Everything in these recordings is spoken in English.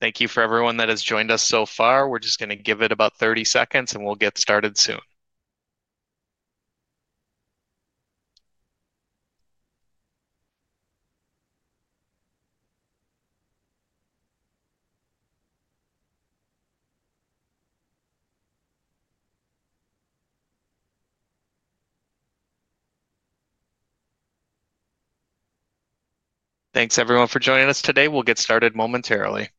Thank you for everyone that has joined us so far. We're just going to give it about 30 seconds, and we'll get started soon. Thanks, everyone, for joining us today. We'll get started momentarily.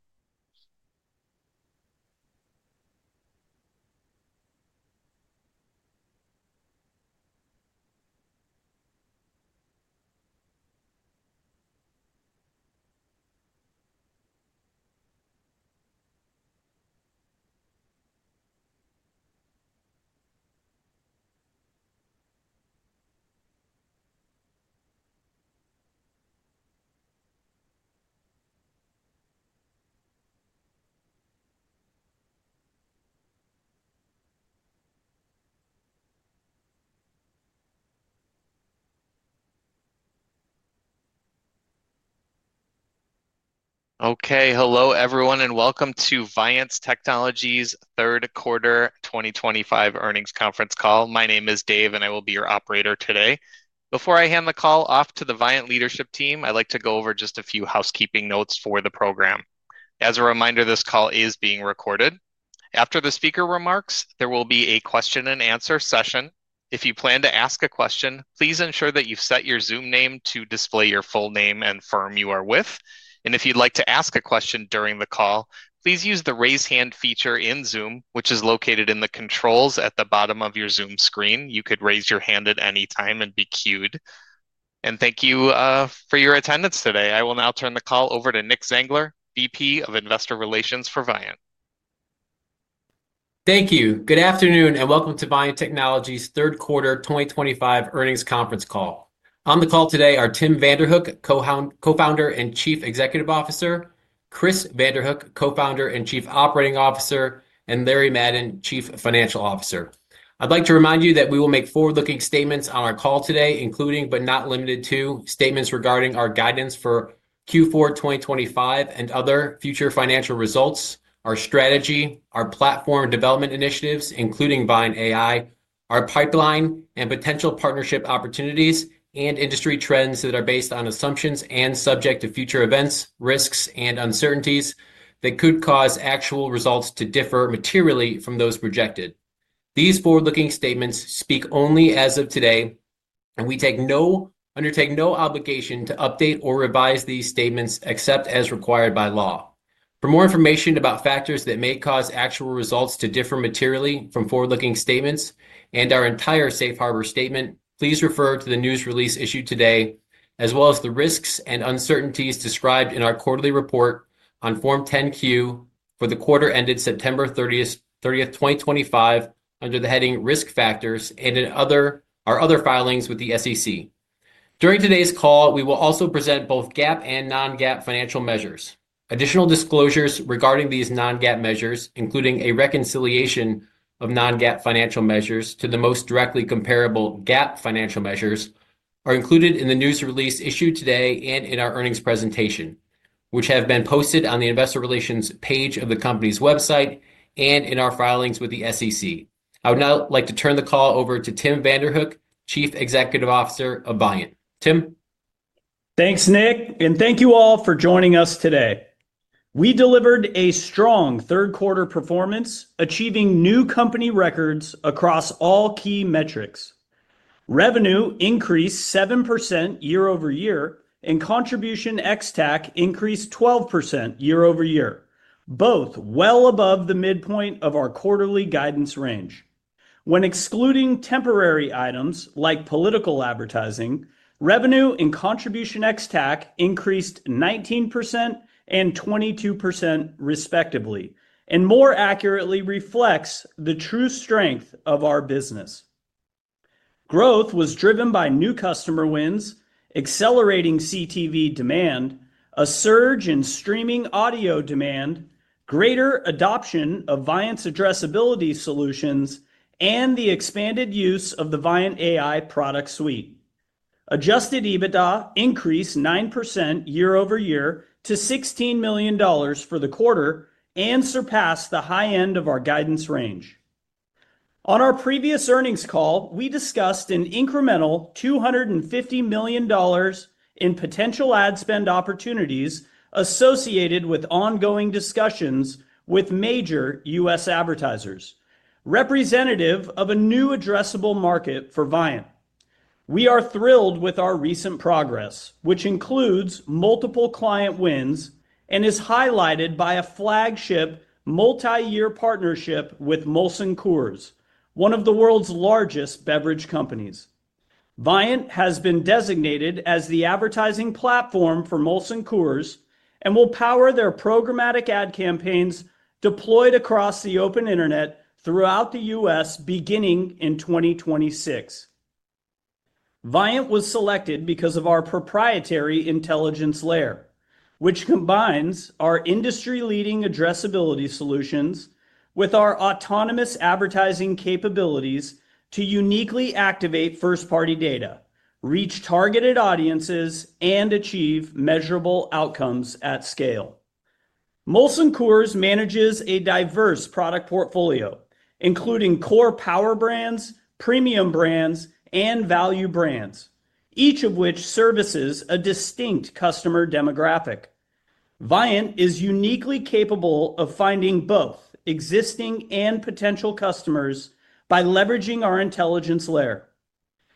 Okay, hello everyone, and welcome to Viant Technology's third quarter 2025 earnings conference call. My name is Dave, and I will be your operator today. Before I hand the call off to the Viant leadership team, I'd like to go over just a few housekeeping notes for the program. As a reminder, this call is being recorded. After the speaker remarks, there will be a question-and-answer session. If you plan to ask a question, please ensure that you've set your Zoom name to display your full name and firm you are with. If you'd like to ask a question during the call, please use the raise hand feature in Zoom, which is located in the controls at the bottom of your Zoom screen. You could raise your hand at any time and be queued. Thank you for your attendance today. I will now turn the call over to Nick Zangler, VP of Investor Relations for Viant. Thank you. Good afternoon, and welcome to Viant Technology's third quarter 2025 earnings conference call. On the call today are Tim Vanderhook, Co-founder and Chief Executive Officer; Chris Vanderhook, Co-founder and Chief Operating Officer; and Larry Madden, Chief Financial Officer. I'd like to remind you that we will make forward-looking statements on our call today, including but not limited to statements regarding our guidance for Q4 2025 and other future financial results, our strategy, our platform development initiatives, including Viant AI, our pipeline and potential partnership opportunities, and industry trends that are based on assumptions and subject to future events, risks, and uncertainties that could cause actual results to differ materially from those projected. These forward-looking statements speak only as of today, and we undertake no obligation to update or revise these statements except as required by law. For more information about factors that may cause actual results to differ materially from forward-looking statements and our entire safe harbor statement, please refer to the news release issued today, as well as the risks and uncertainties described in our quarterly report on Form 10Q for the quarter ended September 30th, 2025, under the heading risk factors and our other filings with the SEC. During today's call, we will also present both GAAP and Non-GAAP financial measures. Additional disclosures regarding these Non-GAAP measures, including a reconciliation of Non-GAAP financial measures to the most directly comparable GAAP financial measures, are included in the news release issued today and in our earnings presentation, which have been posted on the Investor Relations page of the company's website and in our filings with the SEC. I would now like to turn the call over to Tim Vanderhook, Chief Executive Officer of Viant. Tim. Thanks, Nick, and thank you all for joining us today. We delivered a strong third quarter performance, achieving new company records across all key metrics. Revenue increased 7% year-over-year, and contribution XTAC increased 12% year-over-year, both well above the midpoint of our quarterly guidance range. When excluding temporary items like political advertising, revenue and contribution XTAC increased 19% and 22% respectively, and more accurately reflects the true strength of our business. Growth was driven by new customer wins, accelerating CTV demand, a surge in streaming audio demand, greater adoption of Viant's addressability solutions, and the expanded use of the Viant AI product suite. Adjusted EBITDA increased 9% year-over-year to $16 million for the quarter and surpassed the high end of our guidance range. On our previous earnings call, we discussed an incremental $250 million in potential ad spend opportunities associated with ongoing discussions with major U.S. advertisers, representative of a new addressable market for Viant. We are thrilled with our recent progress, which includes multiple client wins and is highlighted by a flagship multi-year partnership with Molson Coors, one of the world's largest beverage companies. Viant has been designated as the advertising platform for Molson Coors and will power their programmatic ad campaigns deployed across the open internet throughout the U.S. beginning in 2026. Viant was selected because of our proprietary intelligence layer, which combines our industry-leading addressability solutions with our autonomous advertising capabilities to uniquely activate first-party data, reach targeted audiences, and achieve measurable outcomes at scale. Molson Coors manages a diverse product portfolio, including core power brands, premium brands, and value brands, each of which services a distinct customer demographic. Viant is uniquely capable of finding both existing and potential customers by leveraging our intelligence layer.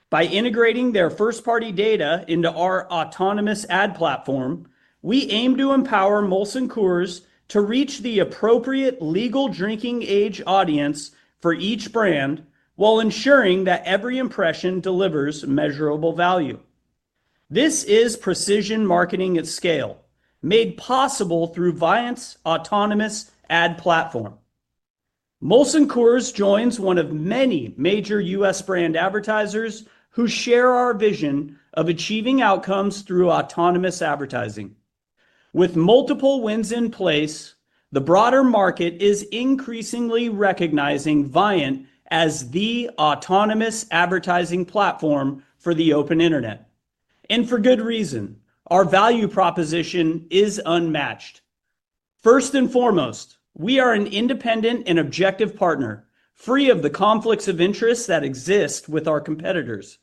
By integrating their first-party data into our autonomous ad platform, we aim to empower Molson Coors to reach the appropriate legal drinking age audience for each brand while ensuring that every impression delivers measurable value. This is precision marketing at scale, made possible through Viant's autonomous ad platform. Molson Coors joins one of many major U.S. brand advertisers who share our vision of achieving outcomes through autonomous advertising. With multiple wins in place, the broader market is increasingly recognizing Viant as the autonomous advertising platform for the open internet. For good reason, our value proposition is unmatched. First and foremost, we are an independent and objective partner, free of the conflicts of interest that exist with our competitors.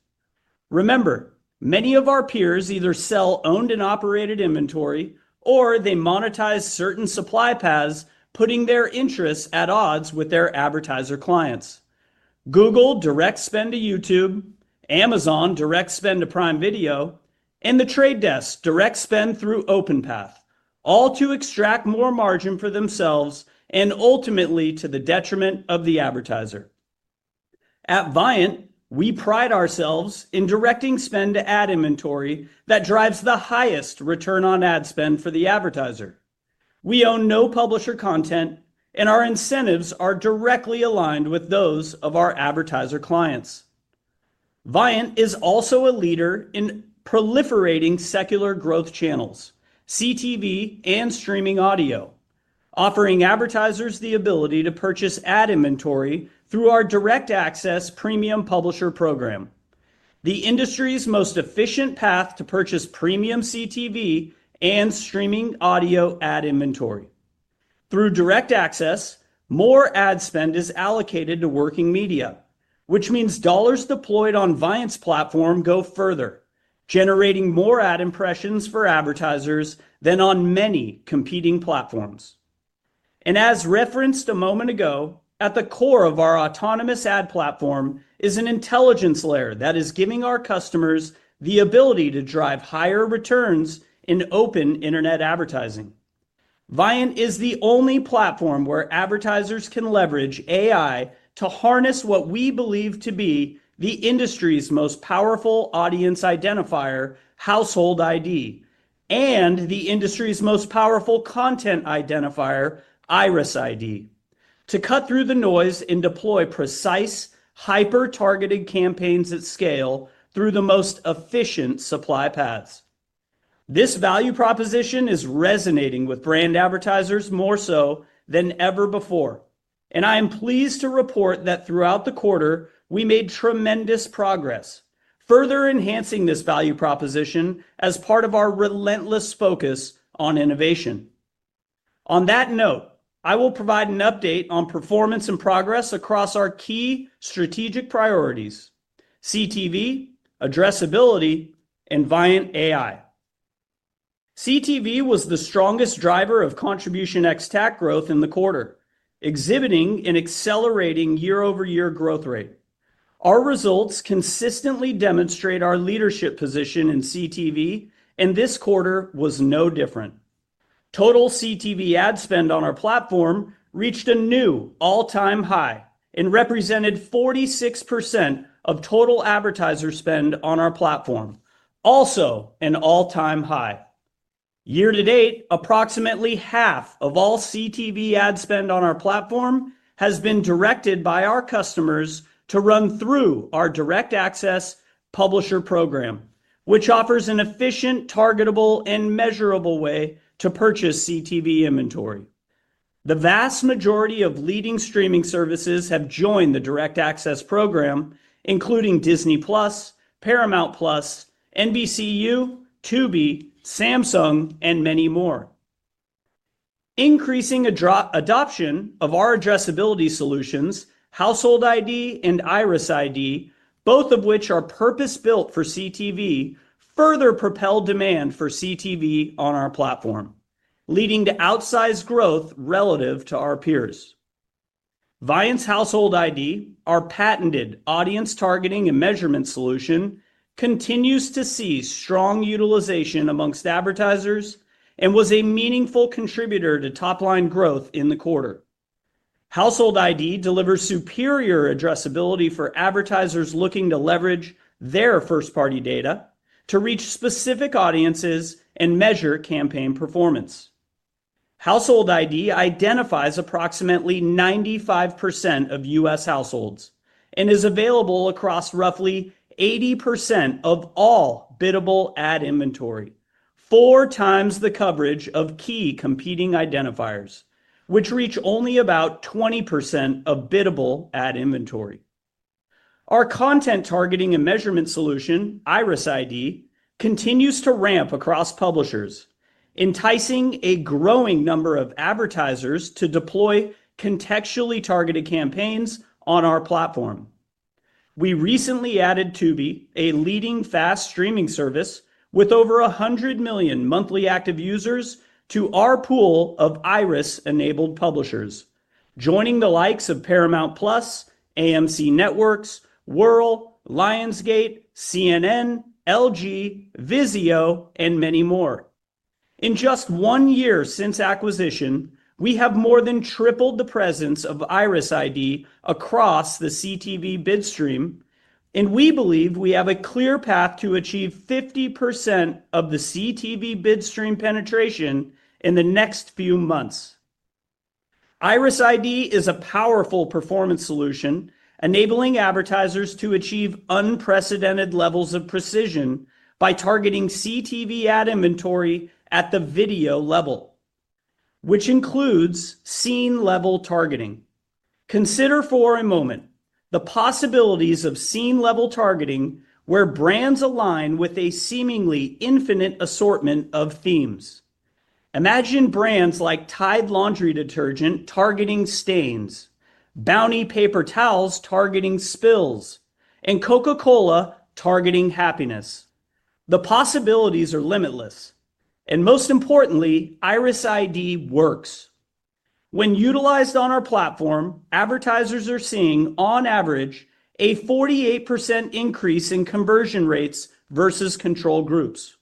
Remember, many of our peers either sell owned and operated inventory, or they monetize certain supply paths, putting their interests at odds with their advertiser clients. Google directs spend to YouTube, Amazon directs spend to Prime Video, and The Trade Desk directs spend through OpenPath, all to extract more margin for themselves and ultimately to the detriment of the advertiser. At Viant, we pride ourselves in directing spend to ad inventory that drives the highest return on ad spend for the advertiser. We own no publisher content, and our incentives are directly aligned with those of our advertiser clients. Viant is also a leader in proliferating secular growth channels, CTV and streaming audio, offering advertisers the ability to purchase ad inventory through our Direct Access premium publisher program, the industry's most efficient path to purchase premium CTV and streaming audio ad inventory. Through Direct Access, more ad spend is allocated to working media, which means dollars deployed on Viant's platform go further, generating more ad impressions for advertisers than on many competing platforms. As referenced a moment ago, at the core of our autonomous ad platform is an intelligence layer that is giving our customers the ability to drive higher returns in open internet advertising. Viant is the only platform where advertisers can leverage AI to harness what we believe to be the industry's most powerful audience identifier, Household ID, and the industry's most powerful content identifier, Iris ID, to cut through the noise and deploy precise, hyper-targeted campaigns at scale through the most efficient supply paths. This value proposition is resonating with brand advertisers more so than ever before. I am pleased to report that throughout the quarter, we made tremendous progress, further enhancing this value proposition as part of our relentless focus on innovation. On that note, I will provide an update on performance and progress across our key strategic priorities: CTV, addressability, and Viant AI. CTV was the strongest driver of contribution XTAC growth in the quarter, exhibiting an accelerating year-over-year growth rate. Our results consistently demonstrate our leadership position in CTV, and this quarter was no different. Total CTV ad spend on our platform reached a new all-time high and represented 46% of total advertiser spend on our platform, also an all-time high. Year to date, approximately half of all CTV ad spend on our platform has been directed by our customers to run through our Direct Access publisher program, which offers an efficient, targetable, and measurable way to purchase CTV inventory. The vast majority of leading streaming services have joined the Direct Access program, including Disney+, Paramount+, NBCU, Tubi, Samsung, and many more. Increasing adoption of our addressability solutions, Household ID and Iris ID, both of which are purpose-built for CTV, further propelled demand for CTV on our platform, leading to outsized growth relative to our peers. Viant's Household ID, our patented audience targeting and measurement solution, continues to see strong utilization amongst advertisers and was a meaningful contributor to top-line growth in the quarter. Household ID delivers superior addressability for advertisers looking to leverage their first-party data to reach specific audiences and measure campaign performance. Household ID identifies approximately 95% of U.S. households and is available across roughly 80% of all biddable ad inventory, four times the coverage of key competing identifiers, which reach only about 20% of biddable ad inventory. Our content targeting and measurement solution, Iris ID, continues to ramp across publishers, enticing a growing number of advertisers to deploy contextually targeted campaigns on our platform. We recently added Tubi, a leading fast streaming service with over 100 million monthly active users, to our pool of Iris-enabled publishers, joining the likes of Paramount+, AMC Networks, Whirl, Lionsgate, CNN, LG, Vizio, and many more. In just one year since acquisition, we have more than tripled the presence of Iris ID across the CTV bid stream, and we believe we have a clear path to achieve 50% of the CTV bid stream penetration in the next few months. Iris ID is a powerful performance solution, enabling advertisers to achieve unprecedented levels of precision by targeting CTV ad inventory at the video level, which includes scene-level targeting. Consider for a moment the possibilities of scene-level targeting where brands align with a seemingly infinite assortment of themes. Imagine brands like Tide Laundry Detergent targeting stains, Bounty Paper Towels targeting spills, and Coca-Cola targeting happiness. The possibilities are limitless, and most importantly, Iris ID works. When utilized on our platform, advertisers are seeing, on average, a 48% increase in conversion rates versus control groups.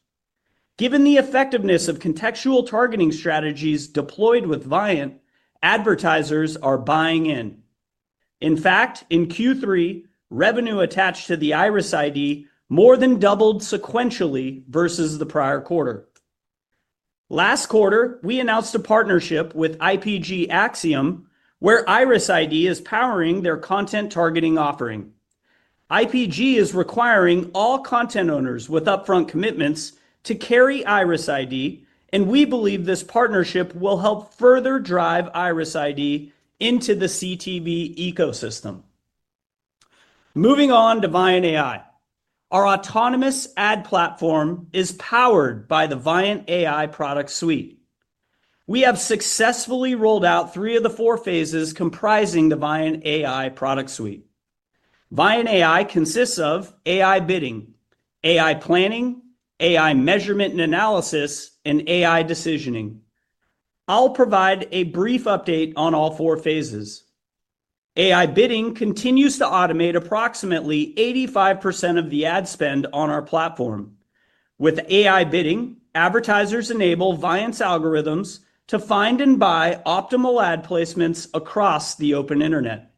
Given the effectiveness of contextual targeting strategies deployed with Viant, advertisers are buying in. In fact, in Q3, revenue attached to the Iris ID more than doubled sequentially versus the prior quarter. Last quarter, we announced a partnership with IPG Acxiom, where Iris ID is powering their content targeting offering. IPG is requiring all content owners with upfront commitments to carry Iris ID, and we believe this partnership will help further drive Iris ID into the CTV ecosystem. Moving on to Viant AI, our autonomous ad platform is powered by the Viant AI product suite. We have successfully rolled out three of the four phases comprising the Viant AI product suite. Viant AI consists of AI Bidding, AI Planning, AI Measurement and Analysis, AI Decisioning. i'll provide a brief update on all four phases. AI Bidding continues to automate approximately 85% of the ad spend on our platform. With AI Bidding, advertisers enable Viant's algorithms to find and buy optimal ad placements across the open internet,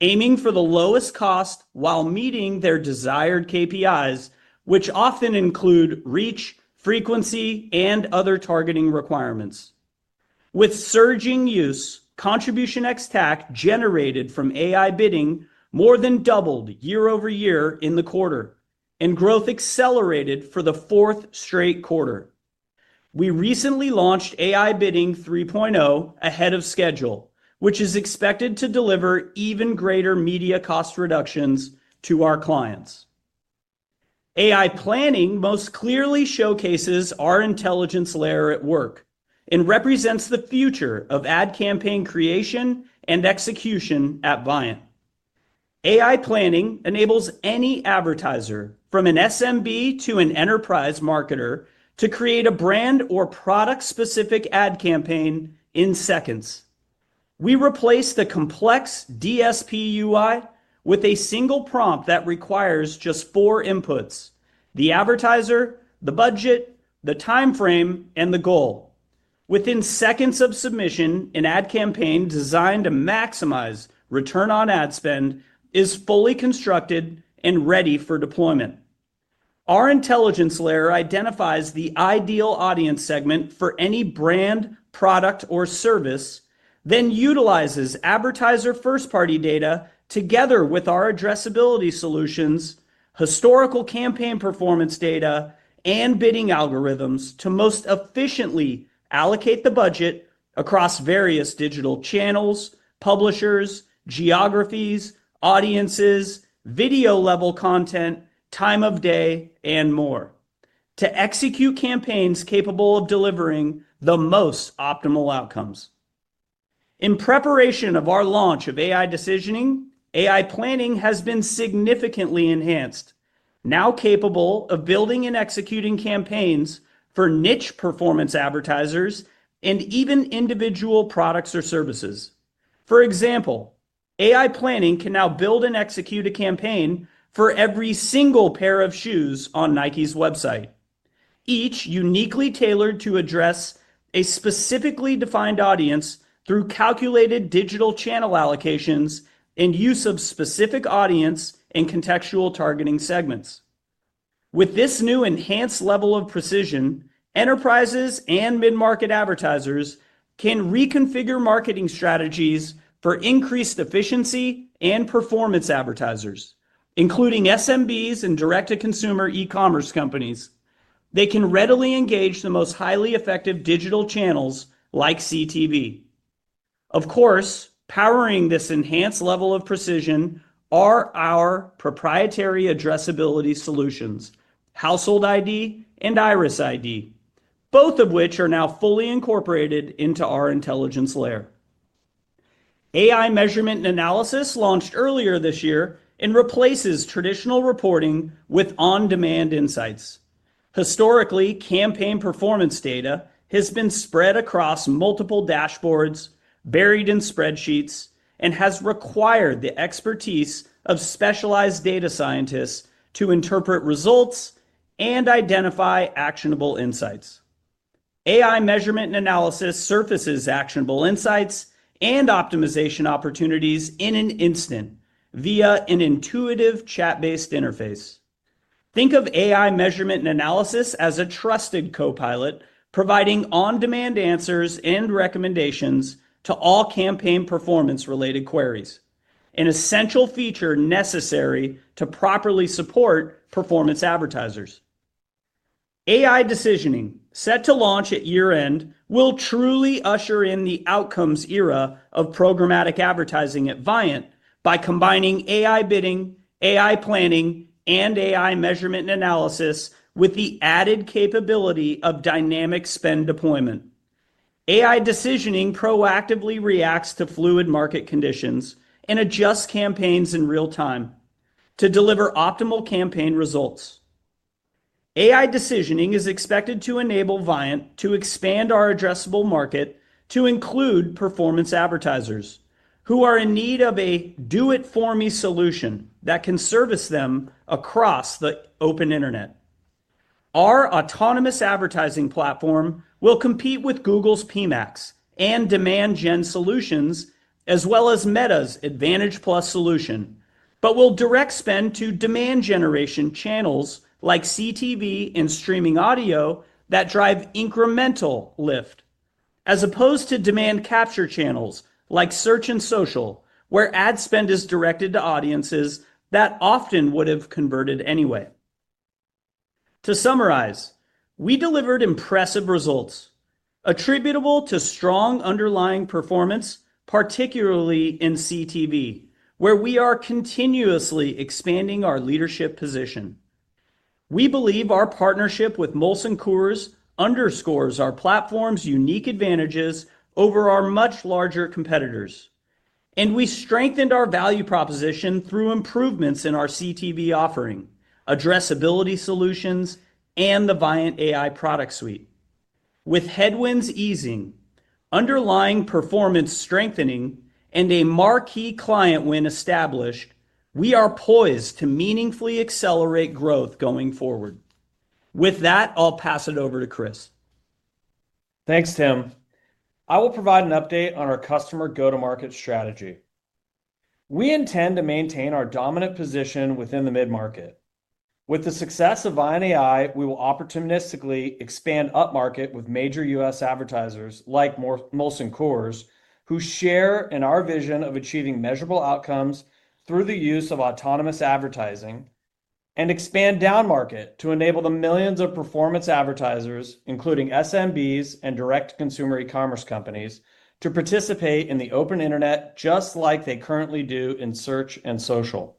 aiming for the lowest cost while meeting their desired KPIs, which often include reach, frequency, and other targeting requirements. With surging use, contribution XTAC generated from AI Bidding more than doubled year-over-year in the quarter, and growth accelerated for the fourth straight quarter. We recently launched AI Bidding 3.0 ahead of schedule, which is expected to deliver even greater media cost reductions to our clients. AI Planning most clearly showcases our intelligence layer at work and represents the future of ad campaign creation and execution at Viant. AI Planning enables any advertiser, from an SMB to an enterprise marketer, to create a brand or product-specific ad campaign in seconds. We replace the complex DSP UI with a single prompt that requires just four inputs: the advertiser, the budget, the timeframe, and the goal. Within seconds of submission, an ad campaign designed to maximize return on ad spend is fully constructed and ready for deployment. Our intelligence layer identifies the ideal audience segment for any brand, product, or service, then utilizes advertiser first-party data together with our addressability solutions, historical campaign performance data, and bidding algorithms to most efficiently allocate the budget across various digital channels, publishers, geographies, audiences, video level content, time of day, and more to execute campaigns capable of delivering the most optimal outcomes. In preparation of our launch ai decisioning, AI Planning has been significantly enhanced, now capable of building and executing campaigns for niche performance advertisers and even individual products or services. For example, AI Planning can now build and execute a campaign for every single pair of shoes on Nike's website, each uniquely tailored to address a specifically defined audience through calculated digital channel allocations and use of specific audience and contextual targeting segments. With this new enhanced level of precision, enterprises and mid-market advertisers can reconfigure marketing strategies for increased efficiency and performance advertisers, including SMBs and direct-to-consumer e-commerce companies. They can readily engage the most highly effective digital channels like CTV. Of course, powering this enhanced level of precision are our proprietary addressability solutions, Household ID and Iris ID, both of which are now fully incorporated into our intelligence layer. AI Measurement and Analysis launched earlier this year and replaces traditional reporting with on-demand insights. Historically, campaign performance data has been spread across multiple dashboards, buried in spreadsheets, and has required the expertise of specialized data scientists to interpret results and identify actionable insights. AI Measurement and Analysis surfaces actionable insights and optimization opportunities in an instant via an intuitive chat-based interface. Think of AI Measurement and Analysis as a trusted co-pilot providing on-demand answers and recommendations to all campaign performance-related queries, an essential feature necessary to properly support performance AI Decisioning, set to launch at year-end, will truly usher in the outcomes era of programmatic advertising at Viant by combining AI Bidding, AI Planning, and AI Measurement and Analysis with the added capability of dynamic spend AI Decisioning proactively reacts to fluid market conditions and adjusts campaigns in real-time to deliver optimal campaign AI Decisioning is expected to enable Viant to expand our addressable market to include performance advertisers who are in need of a do-it-for-me solution that can service them across the open internet. Our autonomous advertising platform will compete with Google's PMax and Demand Gen solutions, as well as Meta's Advantage+ solution, but will direct spend to demand-generation channels like CTV and streaming audio that drive incremental lift, as opposed to demand-capture channels like search and social, where ad spend is directed to audiences that often would have converted anyway. To summarize, we delivered impressive results attributable to strong underlying performance, particularly in CTV, where we are continuously expanding our leadership position. We believe our partnership with Molson Coors underscores our platform's unique advantages over our much larger competitors, and we strengthened our value proposition through improvements in our CTV offering, addressability solutions, and the Viant AI product suite. With headwinds easing, underlying performance strengthening, and a marquee client win established, we are poised to meaningfully accelerate growth going forward. With that, I'll pass it over to Chris. Thanks, Tim. I will provide an update on our customer go-to-market strategy. We intend to maintain our dominant position within the mid-market. With the success of Viant AI, we will opportunistically expand up-market with major U.S. advertisers like Molson Coors, who share in our vision of achieving measurable outcomes through the use of autonomous advertising, and expand down-market to enable the millions of performance advertisers, including SMBs and direct-to-consumer e-commerce companies, to participate in the open internet just like they currently do in search and social.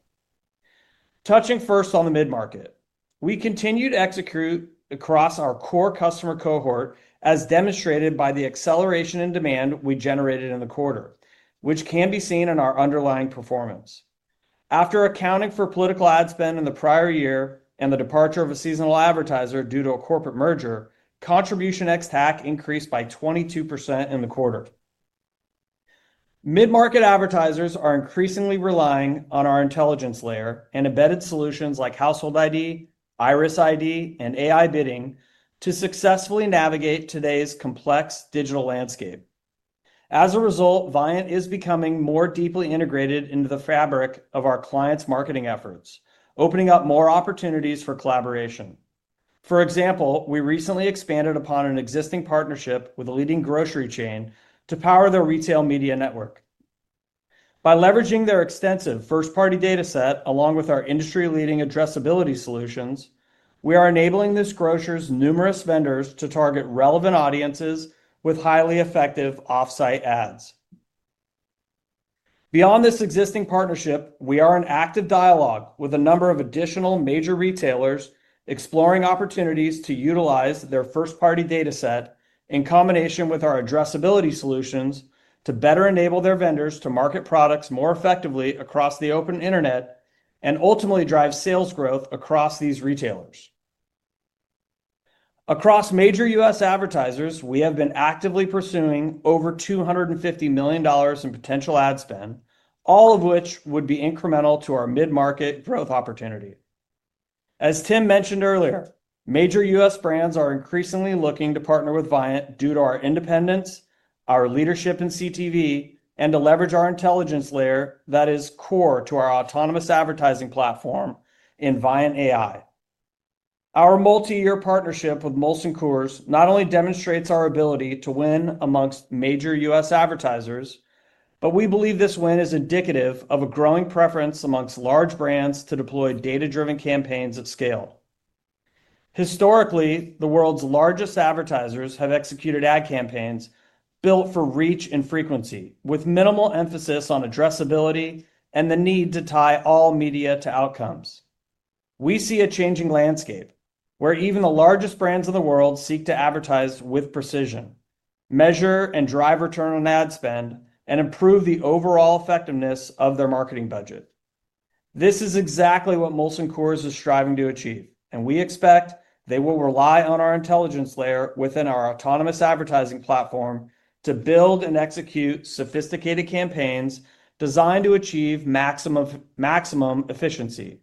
Touching first on the mid-market, we continue to execute across our core customer cohort, as demonstrated by the acceleration in demand we generated in the quarter, which can be seen in our underlying performance. After accounting for political ad spend in the prior year and the departure of a seasonal advertiser due to a corporate merger, contribution XTAC increased by 22% in the quarter. Mid-market advertisers are increasingly relying on our intelligence layer and embedded solutions like Household ID, Iris ID, and AI Bidding to successfully navigate today's complex digital landscape. As a result, Viant is becoming more deeply integrated into the fabric of our clients' marketing efforts, opening up more opportunities for collaboration. For example, we recently expanded upon an existing partnership with a leading grocery chain to power their retail media network. By leveraging their extensive first-party data set along with our industry-leading addressability solutions, we are enabling this grocer's numerous vendors to target relevant audiences with highly effective off-site ads. Beyond this existing partnership, we are in active dialogue with a number of additional major retailers, exploring opportunities to utilize their first-party data set in combination with our addressability solutions to better enable their vendors to market products more effectively across the open internet and ultimately drive sales growth across these retailers. Across major U.S. advertisers, we have been actively pursuing over $250 million in potential ad spend, all of which would be incremental to our mid-market growth opportunity. As Tim mentioned earlier, major U.S. brands are increasingly looking to partner with Viant due to our independence, our leadership in CTV, and to leverage our intelligence layer that is core to our autonomous advertising platform in Viant AI. Our multi-year partnership with Molson Coors not only demonstrates our ability to win amongst major U.S. advertisers, but we believe this win is indicative of a growing preference among large brands to deploy data-driven campaigns at scale. Historically, the world's largest advertisers have executed ad campaigns built for reach and frequency, with minimal emphasis on addressability and the need to tie all media to outcomes. We see a changing landscape where even the largest brands in the world seek to advertise with precision, measure and drive return on ad spend, and improve the overall effectiveness of their marketing budget. This is exactly what Molson Coors is striving to achieve, and we expect they will rely on our intelligence layer within our autonomous advertising platform to build and execute sophisticated campaigns designed to achieve maximum efficiency.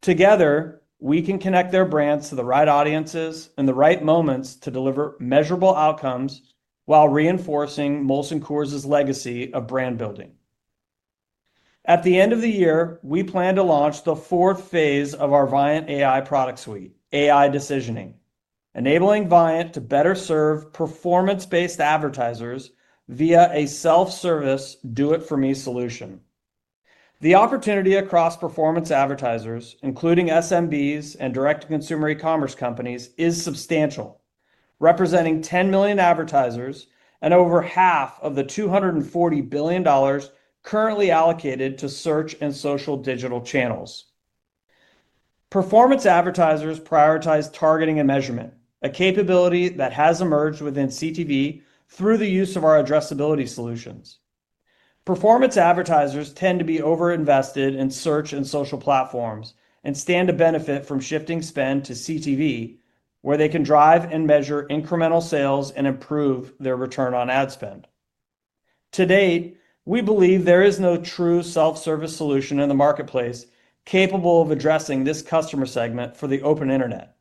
Together, we can connect their brands to the right audiences in the right moments to deliver measurable outcomes while reinforcing Molson Coors' legacy of brand building. At the end of the year, we plan to launch the fourth phase of our Viant AI product AI Decisioning, enabling Viant to better serve performance-based advertisers via a self-service do-it-for-me solution. The opportunity across performance advertisers, including SMBs and direct-to-consumer e-commerce companies, is substantial, representing 10 million advertisers and over half of the $240 billion currently allocated to search and social digital channels. Performance advertisers prioritize targeting and measurement, a capability that has emerged within CTV through the use of our addressability solutions. Performance advertisers tend to be overinvested in search and social platforms and stand to benefit from shifting spend to CTV, where they can drive and measure incremental sales and improve their return on ad spend. To date, we believe there is no true self-service solution in the marketplace capable of addressing this customer segment for the open internet.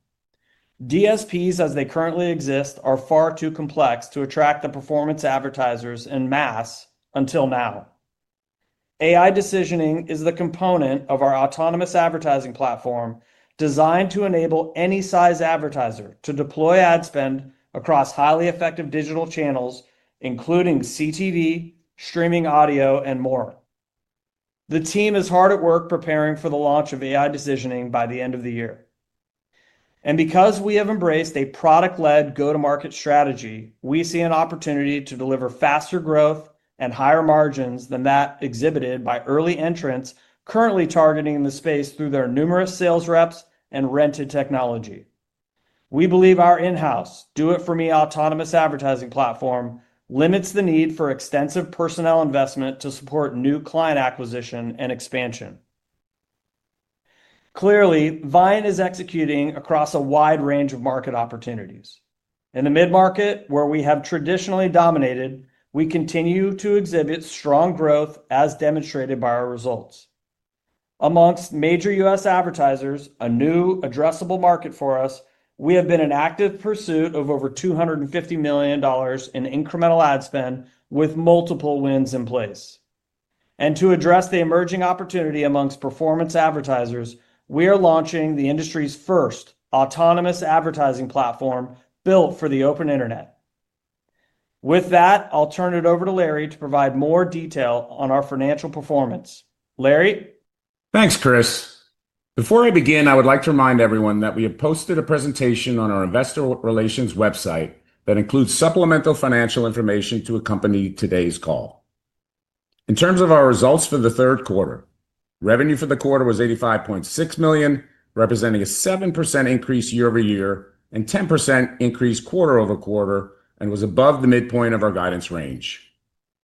DSPs, as they currently exist, are far too complex to attract the performance advertisers en masse until AI Decisioning is the component of our autonomous advertising platform designed to enable any size advertiser to deploy ad spend across highly effective digital channels, including CTV, streaming audio, and more. The team is hard at work preparing for the launch AI Decisioning by the end of the year. Because we have embraced a product-led go-to-market strategy, we see an opportunity to deliver faster growth and higher margins than that exhibited by early entrants currently targeting the space through their numerous sales reps and rented technology. We believe our in-house do-it-for-me autonomous advertising platform limits the need for extensive personnel investment to support new client acquisition and expansion. Clearly, Viant is executing across a wide range of market opportunities. In the mid-market, where we have traditionally dominated, we continue to exhibit strong growth, as demonstrated by our results. Amongst major U.S. advertisers, a new addressable market for us, we have been in active pursuit of over $250 million in incremental ad spend with multiple wins in place. To address the emerging opportunity amongst performance advertisers, we are launching the industry's first autonomous advertising platform built for the open internet. With that, I'll turn it over to Larry to provide more detail on our financial performance. Larry? Thanks, Chris. Before I begin, I would like to remind everyone that we have posted a presentation on our investor relations website that includes supplemental financial information to accompany today's call. In terms of our results for the third quarter, revenue for the quarter was $85.6 million, representing a 7% increase year-over-year and a 10% increase quarter-over-quarter, and was above the midpoint of our guidance range.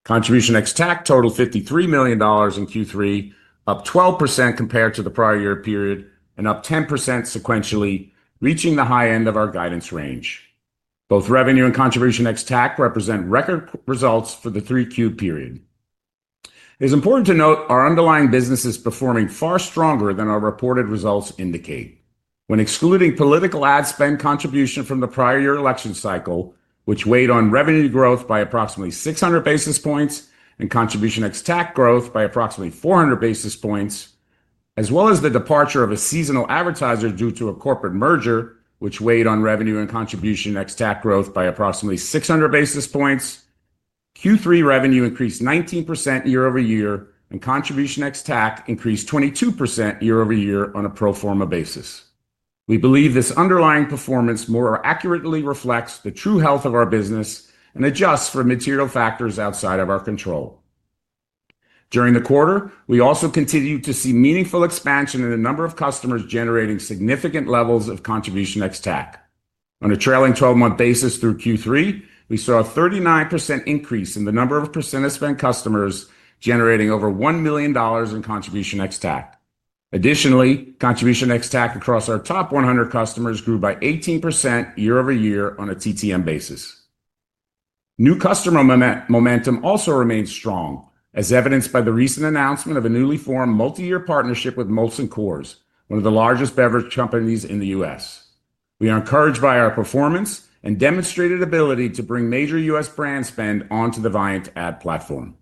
Contribution XTAC totaled $53 million in Q3, up 12% compared to the prior year period and up 10% sequentially, reaching the high end of our guidance range. Both revenue and contribution XTAC represent record results for the 3Q period. It is important to note our underlying business is performing far stronger than our reported results indicate. When excluding political ad spend contribution from the prior year election cycle, which weighed on revenue growth by approximately 600 basis points and contribution XTAC growth by approximately 400 basis points, as well as the departure of a seasonal advertiser due to a corporate merger, which weighed on revenue and contribution XTAC growth by approximately 600 basis points, Q3 revenue increased 19% year-over-year, and contribution XTAC increased 22% year-over-year on a pro forma basis. We believe this underlying performance more accurately reflects the true health of our business and adjusts for material factors outside of our control. During the quarter, we also continued to see meaningful expansion in the number of customers generating significant levels of contribution XTAC. On a trailing 12-month basis through Q3, we saw a 39% increase in the number of percent of spend customers generating over $1 million in contribution XTAC. Additionally, contribution XTAC across our top 100 customers grew by 18% year-over-year on a TTM basis. New customer momentum also remains strong, as evidenced by the recent announcement of a newly formed multi-year partnership with Molson Coors, one of the largest beverage companies in the U.S. We are encouraged by our performance and demonstrated ability to bring major U.S. brand spend onto the Viant ad platform.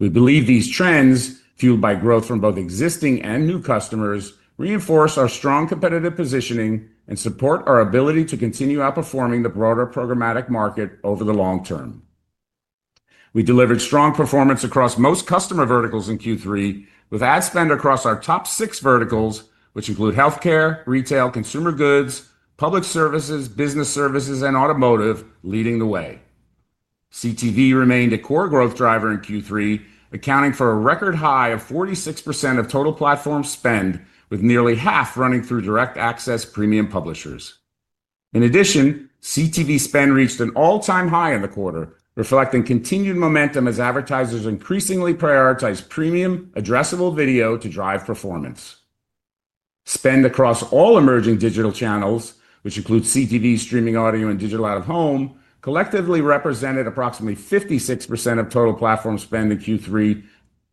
We believe these trends, fueled by growth from both existing and new customers, reinforce our strong competitive positioning and support our ability to continue outperforming the broader programmatic market over the long term. We delivered strong performance across most customer verticals in Q3, with ad spend across our top six verticals, which include healthcare, retail, consumer goods, public services, business services, and automotive, leading the way. CTV remained a core growth driver in Q3, accounting for a record high of 46% of total platform spend, with nearly half running through Direct Access premium publishers. In addition, CTV spend reached an all-time high in the quarter, reflecting continued momentum as advertisers increasingly prioritized premium addressable video to drive performance. Spend across all emerging digital channels, which includes CTV, streaming audio, and digital out of home, collectively represented approximately 56% of total platform spend in Q3,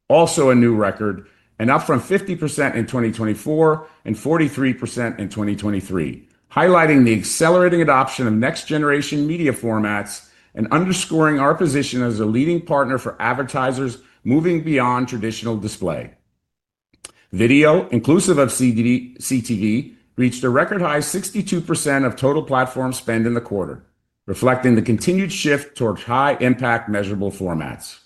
also a new record, and up from 50% in 2024 and 43% in 2023, highlighting the accelerating adoption of next-generation media formats and underscoring our position as a leading partner for advertisers moving beyond traditional display. Video, inclusive of CTV, reached a record high of 62% of total platform spend in the quarter, reflecting the continued shift towards high-impact measurable formats.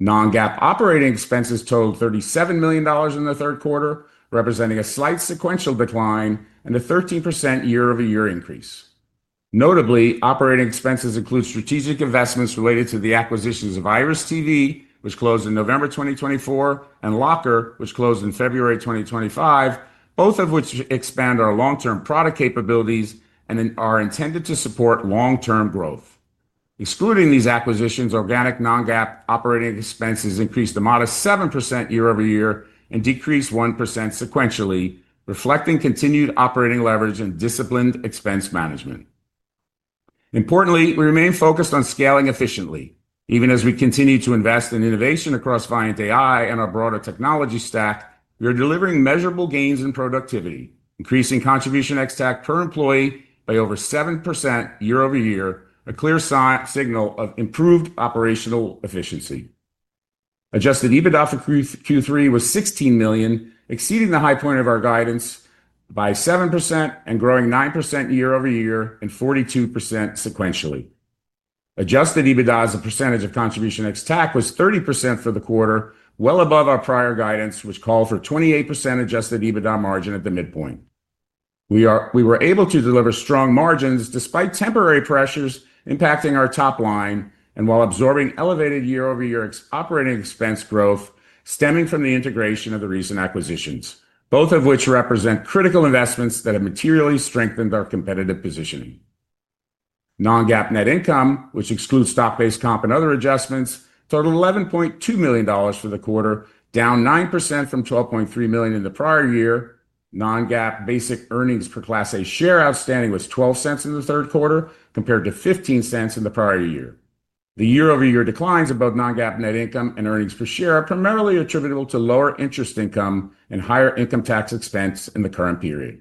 Non-GAAP operating expenses totaled $37 million in the third quarter, representing a slight sequential decline and a 13% year-over-year increase. Notably, operating expenses include strategic investments related to the acquisitions of IRIS.TV, which closed in November 2024, and Locker, which closed in February 2025, both of which expand our long-term product capabilities and are intended to support long-term growth. Excluding these acquisitions, organic Non-GAAP operating expenses increased a modest 7% year-over-year and decreased 1% sequentially, reflecting continued operating leverage and disciplined expense management. Importantly, we remain focused on scaling efficiently. Even as we continue to invest in innovation across Viant AI and our broader technology stack, we are delivering measurable gains in productivity, increasing contribution XTAC per employee by over 7% year-over-year, a clear signal of improved operational efficiency. Adjusted EBITDA for Q3 was $16 million, exceeding the high point of our guidance by 7% and growing 9% year-over-year and 42% sequentially. Adjusted EBITDA as a percentage of contribution XTAC was 30% for the quarter, well above our prior guidance, which called for 28% adjusted EBITDA margin at the midpoint. We were able to deliver strong margins despite temporary pressures impacting our top line and while absorbing elevated year-over-year operating expense growth stemming from the integration of the recent acquisitions, both of which represent critical investments that have materially strengthened our competitive positioning. Non-GAAP net income, which excludes stock-based comp and other adjustments, totaled $11.2 million for the quarter, down 9% from $12.3 million in the prior year. Non-GAAP basic earnings per class A share outstanding was $0.12 in the third quarter compared to $0.15 in the prior year. The year-over-year declines above Non-GAAP net income and earnings per share are primarily attributable to lower interest income and higher income tax expense in the current period.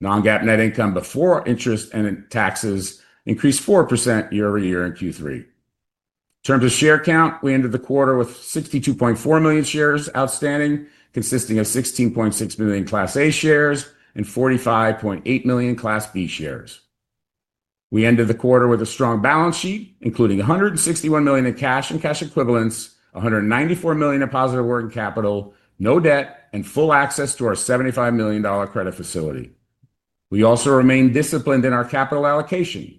Non-GAAP net income before interest and taxes increased 4% year-over-year in Q3. In terms of share count, we ended the quarter with $62.4 million shares outstanding, consisting of $16.6 million class A shares and $45.8 million class B shares. We ended the quarter with a strong balance sheet, including $161 million in cash and cash equivalents, $194 million in positive working capital, no debt, and full access to our $75 million credit facility. We also remained disciplined in our capital allocation.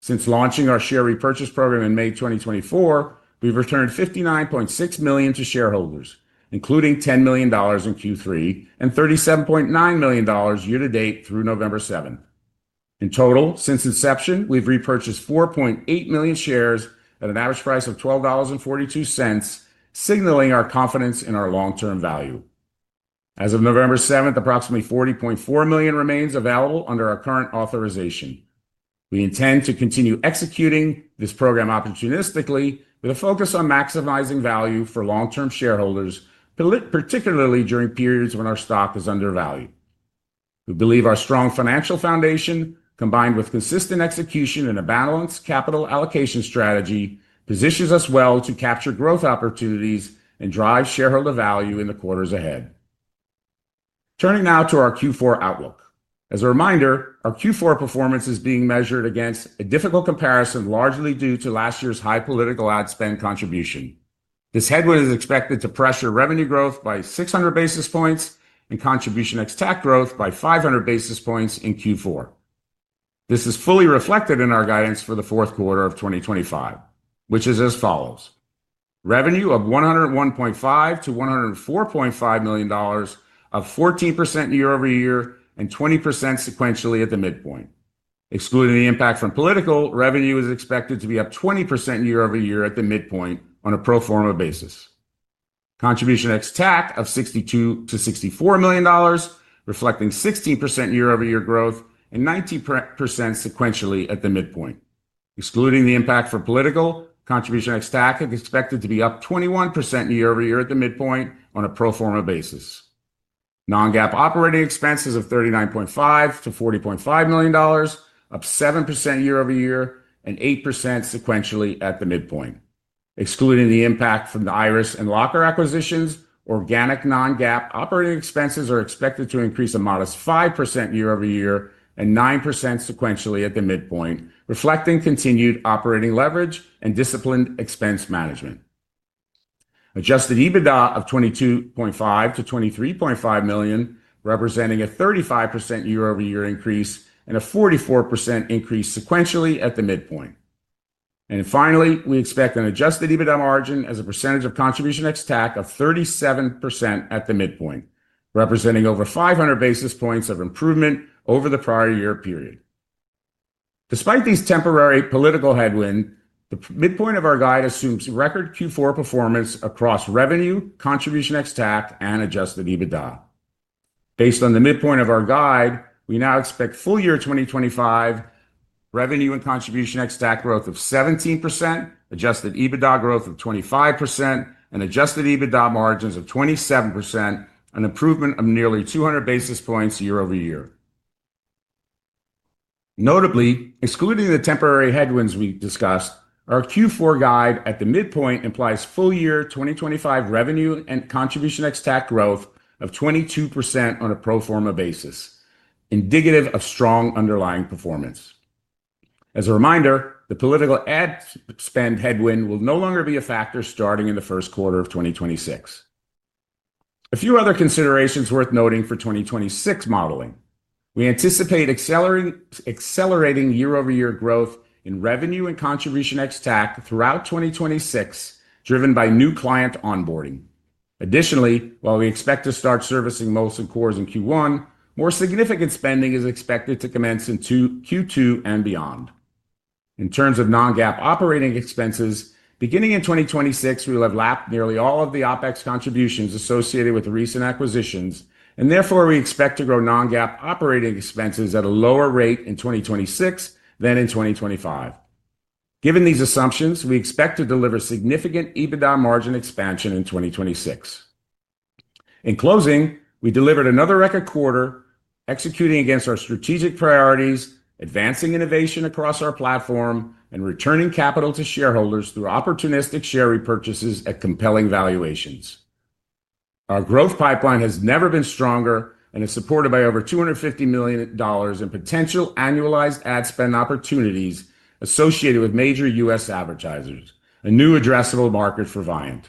Since launching our share repurchase program in May 2024, we've returned $59.6 million to shareholders, including $10 million in Q3 and $37.9 million year-to-date through November 7. In total, since inception, we've repurchased $4.8 million shares at an average price of $12.42, signaling our confidence in our long-term value. As of November 7th, approximately $40.4 million remains available under our current authorization. We intend to continue executing this program opportunistically with a focus on maximizing value for long-term shareholders, particularly during periods when our stock is undervalued. We believe our strong financial foundation, combined with consistent execution and a balanced capital allocation strategy, positions us well to capture growth opportunities and drive shareholder value in the quarters ahead. Turning now to our Q4 outlook. As a reminder, our Q4 performance is being measured against a difficult comparison largely due to last year's high political ad spend contribution. This headwind is expected to pressure revenue growth by 600 basis points and contribution XTAC growth by 500 basis points in Q4. This is fully reflected in our guidance for the fourth quarter of 2025, which is as follows: Revenue of $101.5-$104.5 million, up 14% year-over-year and 20% sequentially at the midpoint. Excluding the impact from political, revenue is expected to be up 20% year-over-year at the midpoint on a pro forma basis. Contribution XTAC of $62-$64 million, reflecting 16% year-over-year growth and 19% sequentially at the midpoint. Excluding the impact from political, contribution XTAC is expected to be up 21% year-over-year at the midpoint on a pro forma basis. Non-GAAP operating expenses of $39.5-$40.5 million, up 7% year-over-year and 8% sequentially at the midpoint. Excluding the impact from the Iris and Locker acquisitions, organic Non-GAAP operating expenses are expected to increase a modest 5% year-over-year and 9% sequentially at the midpoint, reflecting continued operating leverage and disciplined expense management. Adjusted EBITDA of $22.5-$23.5 million, representing a 35% year-over-year increase and a 44% increase sequentially at the midpoint. Finally, we expect an adjusted EBITDA margin as a percentage of contribution XTAC of 37% at the midpoint, representing over 500 basis points of improvement over the prior year period. Despite these temporary political headwinds, the midpoint of our guide assumes record Q4 performance across revenue, contribution XTAC, and adjusted EBITDA. Based on the midpoint of our guide, we now expect full year 2025 revenue and contribution XTAC growth of 17%, adjusted EBITDA growth of 25%, and adjusted EBITDA margins of 27%, an improvement of nearly 200 basis points year-over-year. Notably, excluding the temporary headwinds we discussed, our Q4 guide at the midpoint implies full year 2025 revenue and contribution XTAC growth of 22% on a pro forma basis, indicative of strong underlying performance. As a reminder, the political ad spend headwind will no longer be a factor starting in the first quarter of 2026. A few other considerations worth noting for 2026 modeling. We anticipate accelerating year-over-year growth in revenue and contribution XTAC throughout 2026, driven by new client onboarding. Additionally, while we expect to start servicing Molson Coors in Q1, more significant spending is expected to commence in Q2 and beyond. In terms of Non-GAAP operating expenses, beginning in 2026, we will have lapped nearly all of the OpEx contributions associated with the recent acquisitions, and therefore we expect to grow Non-GAAP operating expenses at a lower rate in 2026 than in 2025. Given these assumptions, we expect to deliver significant EBITDA margin expansion in 2026. In closing, we delivered another record quarter, executing against our strategic priorities, advancing innovation across our platform, and returning capital to shareholders through opportunistic share repurchases at compelling valuations. Our growth pipeline has never been stronger and is supported by over $250 million in potential annualized ad spend opportunities associated with major U.S. advertisers, a new addressable market for Viant.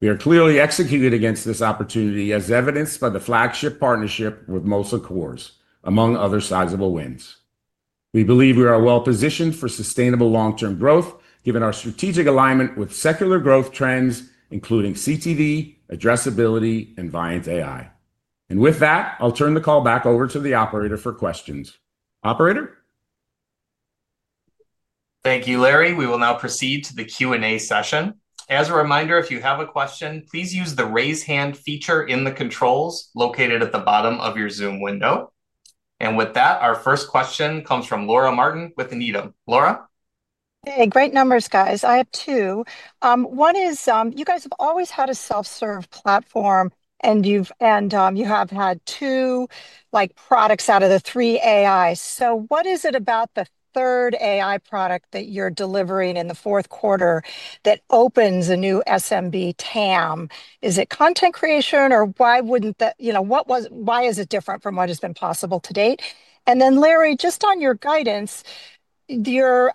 We are clearly executing against this opportunity, as evidenced by the flagship partnership with Molson Coors, among other sizable wins. We believe we are well positioned for sustainable long-term growth, given our strategic alignment with secular growth trends, including CTV, addressability, and Viant AI. I will turn the call back over to the operator for questions. Operator? Thank you, Larry. We will now proceed to the Q&A session. As a reminder, if you have a question, please use the raise hand feature in the controls located at the bottom of your Zoom window. With that, our first question comes from Laura Martin with Needham. Laura. Hey, great numbers, guys. I have two. One is you guys have always had a self-serve platform, and you have had two products out of the three AIs. What is it about the third AI product that you're delivering in the fourth quarter that opens a new SMB TAM? Is it content creation, or why wouldn't that, you know, what was, why is it different from what has been possible to date? Then, Larry, just on your guidance, your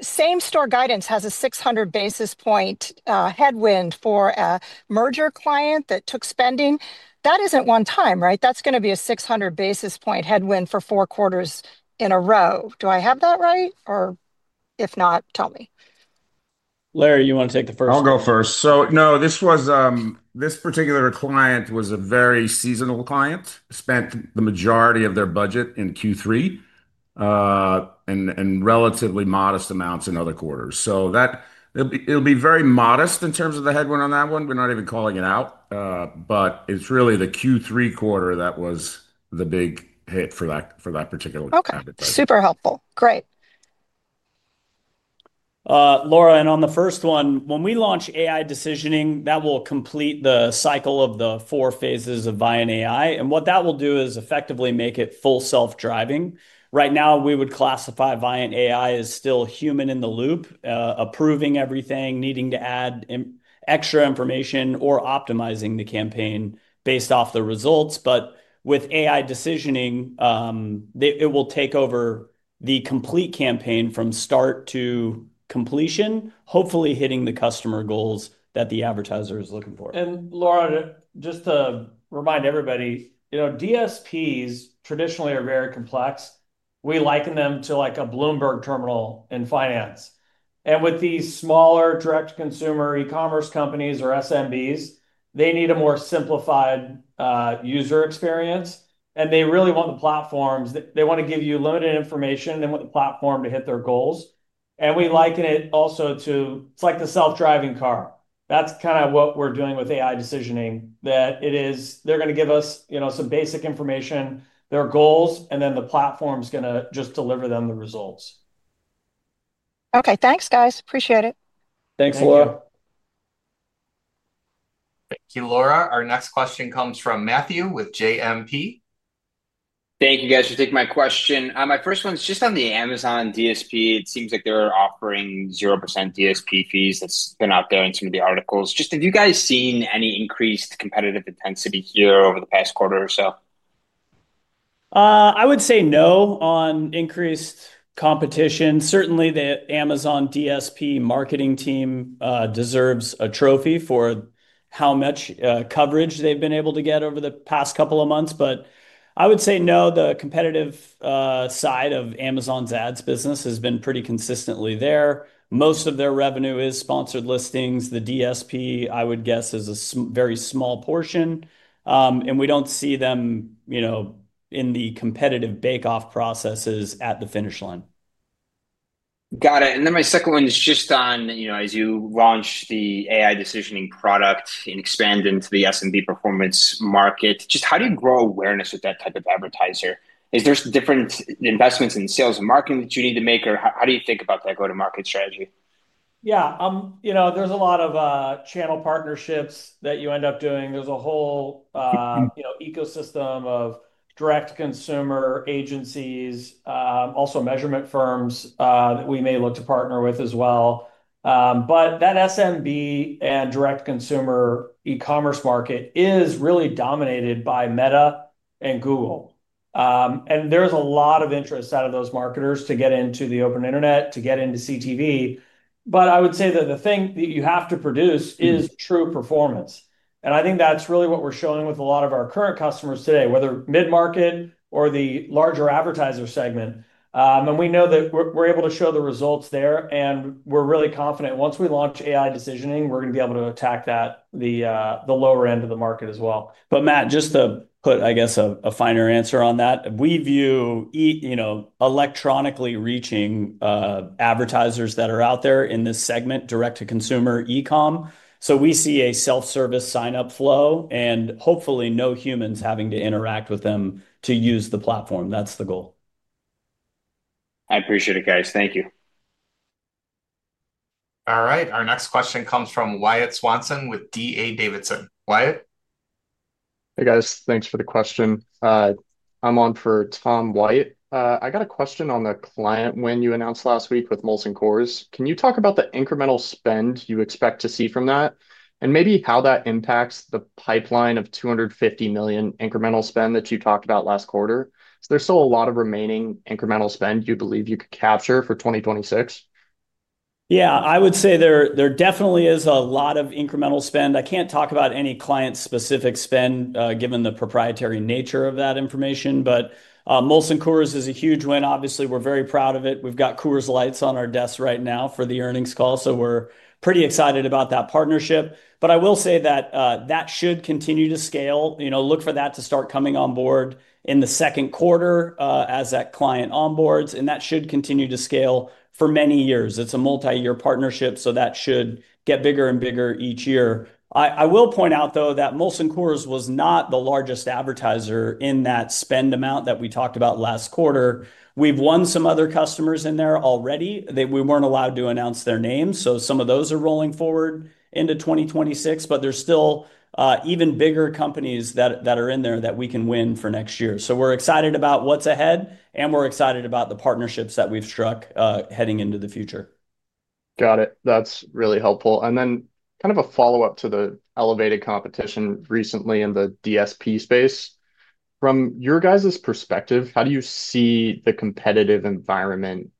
same store guidance has a 600 basis point headwind for a merger client that took spending. That isn't one time, right? That's going to be a 600 basis point headwind for four quarters in a row. Do I have that right? Or if not, tell me. Larry, you want to take the first one? I'll go first. No, this was, this particular client was a very seasonal client, spent the majority of their budget in Q3 and relatively modest amounts in other quarters. It will be very modest in terms of the headwind on that one. We're not even calling it out, but it's really the Q3 quarter that was the big hit for that particular. Okay, super helpful. Great. Laura, and on the first one, when we AI Decisioning, that will complete the cycle of the four phases of Viant AI. What that will do is effectively make it full self-driving. Right now, we would classify Viant AI as still human in the loop, approving everything, needing to add extra information, or optimizing the campaign based off the results. AI Decisioning, it will take over the complete campaign from start to completion, hopefully hitting the customer goals that the advertiser is looking for. Laura, just to remind everybody, you know, DSPs traditionally are very complex. We liken them to like a Bloomberg terminal in finance. With these smaller direct-to-consumer e-commerce companies or SMBs, they need a more simplified user experience. They really want the platforms. They want to give you limited information. They want the platform to hit their goals. We liken it also to, it's like the self-driving car. That's kind of what we're doing AI Decisioning, that it is, they're going to give us, you know, some basic information, their goals, and then the platform's going to just deliver them the results. Okay, thanks, guys. Appreciate it. Thanks, Laura. Thank you, Laura. Our next question comes from Matthew with JMP. Thank you, guys. You're taking my question. My first one's just on the Amazon DSP. It seems like they're offering 0% DSP fees. That's been out there in some of the articles. Just have you guys seen any increased competitive intensity here over the past quarter or so? I would say no on increased competition. Certainly, the Amazon DSP marketing team deserves a trophy for how much coverage they've been able to get over the past couple of months. I would say no, the competitive side of Amazon's ads business has been pretty consistently there. Most of their revenue is sponsored listings. The DSP, I would guess, is a very small portion. We do not see them, you know, in the competitive bake-off processes at the finish line. Got it. My second one is just on, you know, as you launch AI Decisioning product and expand into the SMB performance market, just how do you grow awareness with that type of advertiser? Is there different investments in sales and marketing that you need to make, or how do you think about that go-to-market strategy? Yeah, you know, there is a lot of channel partnerships that you end up doing. There is a whole, you know, ecosystem of direct-to-consumer agencies, also measurement firms that we may look to partner with as well. That SMB and direct-to-consumer e-commerce market is really dominated by Meta and Google. There is a lot of interest out of those marketers to get into the open internet, to get into CTV. I would say that the thing that you have to produce is true performance. I think that is really what we are showing with a lot of our current customers today, whether mid-market or the larger advertiser segment. We know that we are able to show the results there, and we are really confident once AI Decisioning, we are going to be able to attack that, the lower end of the market as well. Matt, just to put, I guess, a finer answer on that, we view, you know, electronically reaching advertisers that are out there in this segment, direct-to-consumer e-comm. We see a self-service sign-up flow and hopefully no humans having to interact with them to use the platform. That is the goal. I appreciate it, guys. Thank you. All right. Our next question comes from Wyatt Swanson with D.A. Davidson. Wyatt? Hey, guys. Thanks for the question. I'm on for Tom Wyatt. I got a question on the client win you announced last week with Molson Coors. Can you talk about the incremental spend you expect to see from that and maybe how that impacts the pipeline of $250 million incremental spend that you talked about last quarter? There is still a lot of remaining incremental spend you believe you could capture for 2026. Yeah, I would say there definitely is a lot of incremental spend. I can't talk about any client-specific spend given the proprietary nature of that information, but Molson Coors is a huge win. Obviously, we're very proud of it. We've got Coors Lights on our desk right now for the earnings call, so we're pretty excited about that partnership. I will say that that should continue to scale. You know, look for that to start coming on board in the second quarter as that client onboards, and that should continue to scale for many years. It is a multi-year partnership, so that should get bigger and bigger each year. I will point out, though, that Molson Coors was not the largest advertiser in that spend amount that we talked about last quarter. We have won some other customers in there already. We were not allowed to announce their names, so some of those are rolling forward into 2026, but there are still even bigger companies that are in there that we can win for next year. We are excited about what is ahead, and we are excited about the partnerships that we have struck heading into the future. Got it. That is really helpful. And then kind of a follow-up to the elevated competition recently in the DSP space. From your guys' perspective, how do you see the competitive environment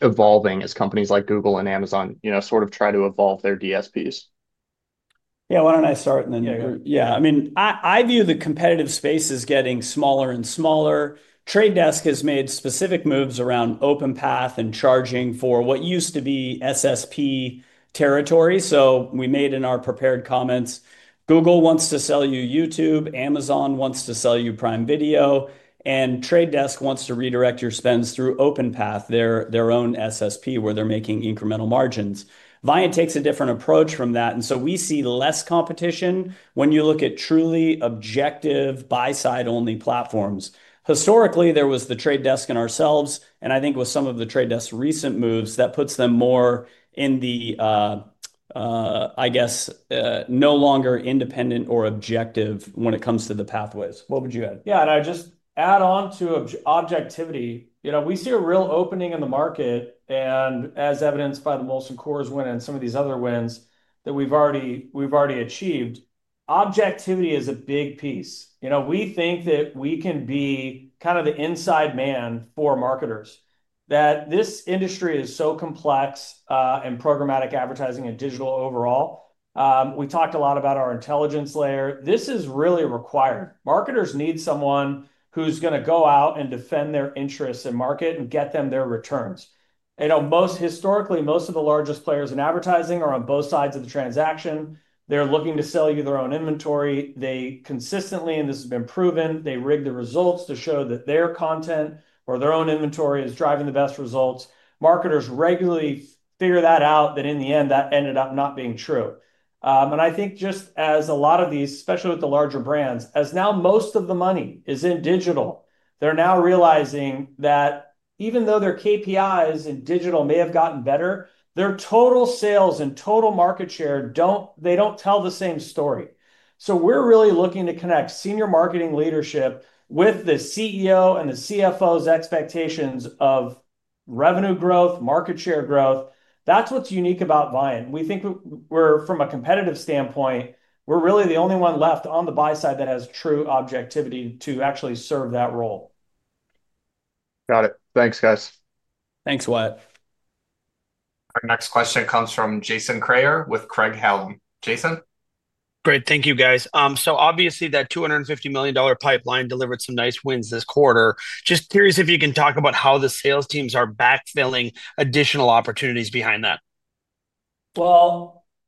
evolving as companies like Google and Amazon, you know, sort of try to evolve their DSPs? Yeah, why do not I start and then you? Yeah, I mean, I view the competitive space as getting smaller and smaller. Trade Desk has made specific moves around OpenPath and charging for what used to be SSP territory. As we made in our prepared comments, Google wants to sell you YouTube, Amazon wants to sell you Prime Video, and Trade Desk wants to redirect your spends through OpenPath, their own SSP where they are making incremental margins. Viant takes a different approach from that, and so we see less competition when you look at truly objective buy-side-only platforms. Historically, there was The Trade Desk and ourselves, and I think with some of The Trade Desk's recent moves, that puts them more in the, I guess, no longer independent or objective when it comes to the pathways. What would you add? Yeah, and I just add on to objectivity. You know, we see a real opening in the market, and as evidenced by the Molson Coors win and some of these other wins that we've already achieved, objectivity is a big piece. You know, we think that we can be kind of the inside man for marketers, that this industry is so complex and programmatic advertising and digital overall. We talked a lot about our intelligence layer. This is really required. Marketers need someone who's going to go out and defend their interests in market and get them their returns. You know, historically, most of the largest players in advertising are on both sides of the transaction. They're looking to sell you their own inventory. They consistently, and this has been proven, they rig the results to show that their content or their own inventory is driving the best results. Marketers regularly figure that out, that in the end, that ended up not being true. I think just as a lot of these, especially with the larger brands, as now most of the money is in digital, they're now realizing that even though their KPIs in digital may have gotten better, their total sales and total market share do not, they do not tell the same story. We are really looking to connect senior marketing leadership with the CEO and the CFO's expectations of revenue growth, market share growth. That is what is unique about Viant. We think we're, from a competitive standpoint, we're really the only one left on the buy side that has true objectivity to actually serve that role. Got it. Thanks, guys. Thanks, Wyatt. Our next question comes from Jason Kreyer with Craig-Hallum. Jason? Great. Thank you, guys. So obviously, that $250 million pipeline delivered some nice wins this quarter. Just curious if you can talk about how the sales teams are backfilling additional opportunities behind that.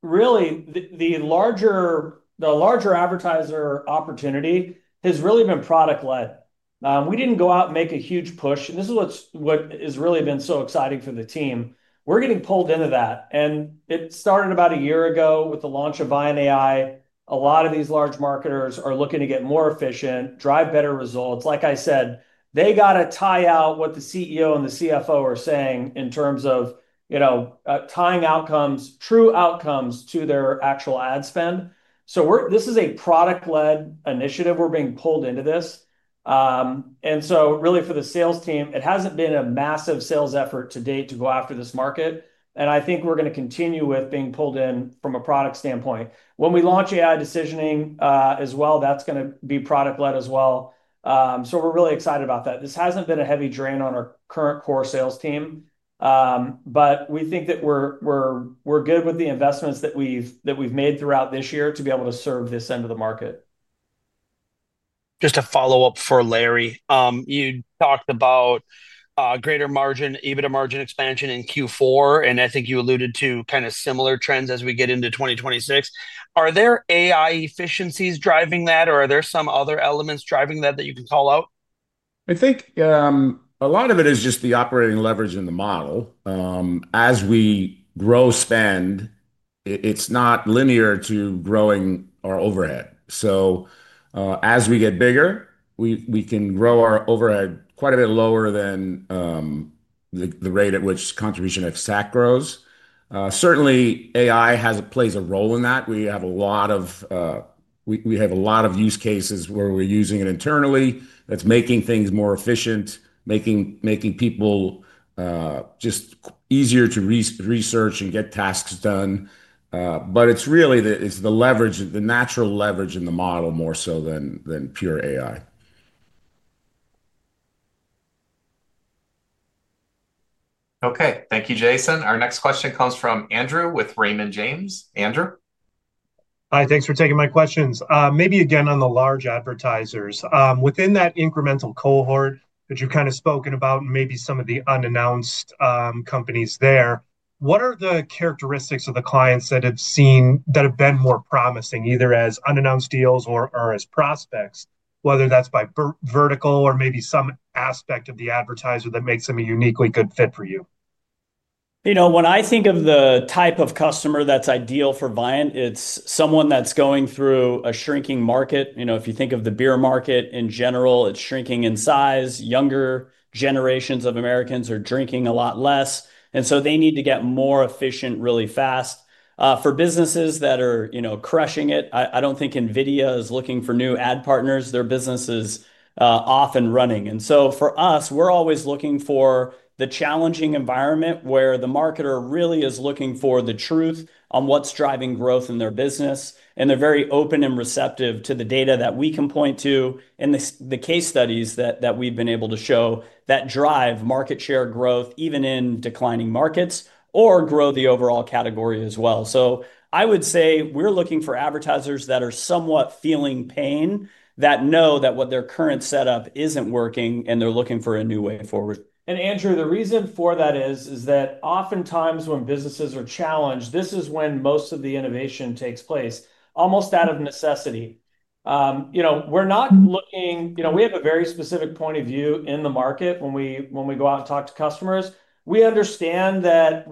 Really, the larger, the larger advertiser opportunity has really been product-led. We didn't go out and make a huge push, and this is what has really been so exciting for the team. We're getting pulled into that, and it started about a year ago with the launch of Viant AI. A lot of these large marketers are looking to get more efficient, drive better results. Like I said, they got to tie out what the CEO and the CFO are saying in terms of, you know, tying outcomes, true outcomes to their actual ad spend. This is a product-led initiative. We're being pulled into this. For the sales team, it hasn't been a massive sales effort to date to go after this market. I think we're going to continue with being pulled in from a product standpoint. When we AI Decisioning as well, that's going to be product-led as well. We're really excited about that. This hasn't been a heavy drain on our current core sales team, but we think that we're good with the investments that we've made throughout this year to be able to serve this end of the market. Just a follow-up for Larry. You talked about greater margin, EBITDA margin expansion in Q4, and I think you alluded to kind of similar trends as we get into 2026. Are there AI efficiencies driving that, or are there some other elements driving that that you can call out? I think a lot of it is just the operating leverage in the model. As we grow spend, it's not linear to growing our overhead. As we get bigger, we can grow our overhead quite a bit lower than the rate at which contribution of SAC grows. Certainly, AI plays a role in that. We have a lot of use cases where we're using it internally that's making things more efficient, making people just easier to research and get tasks done. It's really the leverage, the natural leverage in the model more so than pure AI. Okay, thank you, Jason. Our next question comes from Andrew with Raymond James. Andrew? Hi, thanks for taking my questions. Maybe again on the large advertisers. Within that incremental cohort that you've kind of spoken about and maybe some of the unannounced companies there, what are the characteristics of the clients that have seen, that have been more promising, either as unannounced deals or as prospects, whether that's by vertical or maybe some aspect of the advertiser that makes them a uniquely good fit for you? You know, when I think of the type of customer that's ideal for Viant, it's someone that's going through a shrinking market. You know, if you think of the beer market in general, it's shrinking in size. Younger generations of Americans are drinking a lot less, and so they need to get more efficient really fast. For businesses that are crushing it, I don't think NVIDIA is looking for new ad partners. Their business is off and running. For us, we're always looking for the challenging environment where the marketer really is looking for the truth on what's driving growth in their business. They're very open and receptive to the data that we can point to and the case studies that we've been able to show that drive market share growth, even in declining markets, or grow the overall category as well. I would say we're looking for advertisers that are somewhat feeling pain, that know that what their current setup isn't working, and they're looking for a new way forward. Andrew, the reason for that is that oftentimes when businesses are challenged, this is when most of the innovation takes place, almost out of necessity. You know, we're not looking, you know, we have a very specific point of view in the market when we go out and talk to customers. We understand that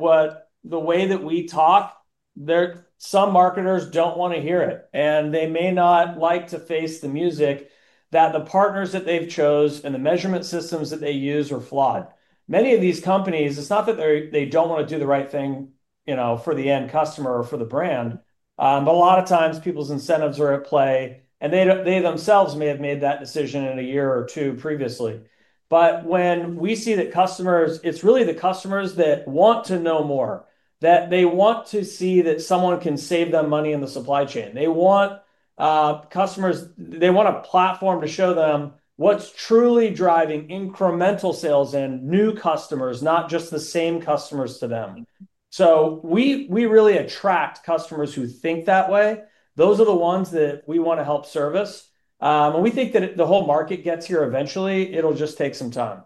the way that we talk, there are some marketers who do not want to hear it, and they may not like to face the music that the partners that they have chosen and the measurement systems that they use are flawed. Many of these companies, it is not that they do not want to do the right thing, you know, for the end customer or for the brand, but a lot of times people's incentives are at play, and they themselves may have made that decision a year or two previously. When we see that customers, it is really the customers that want to know more, that they want to see that someone can save them money in the supply chain. They want customers, they want a platform to show them what's truly driving incremental sales and new customers, not just the same customers to them. We really attract customers who think that way. Those are the ones that we want to help service. We think that the whole market gets here eventually. It'll just take some time.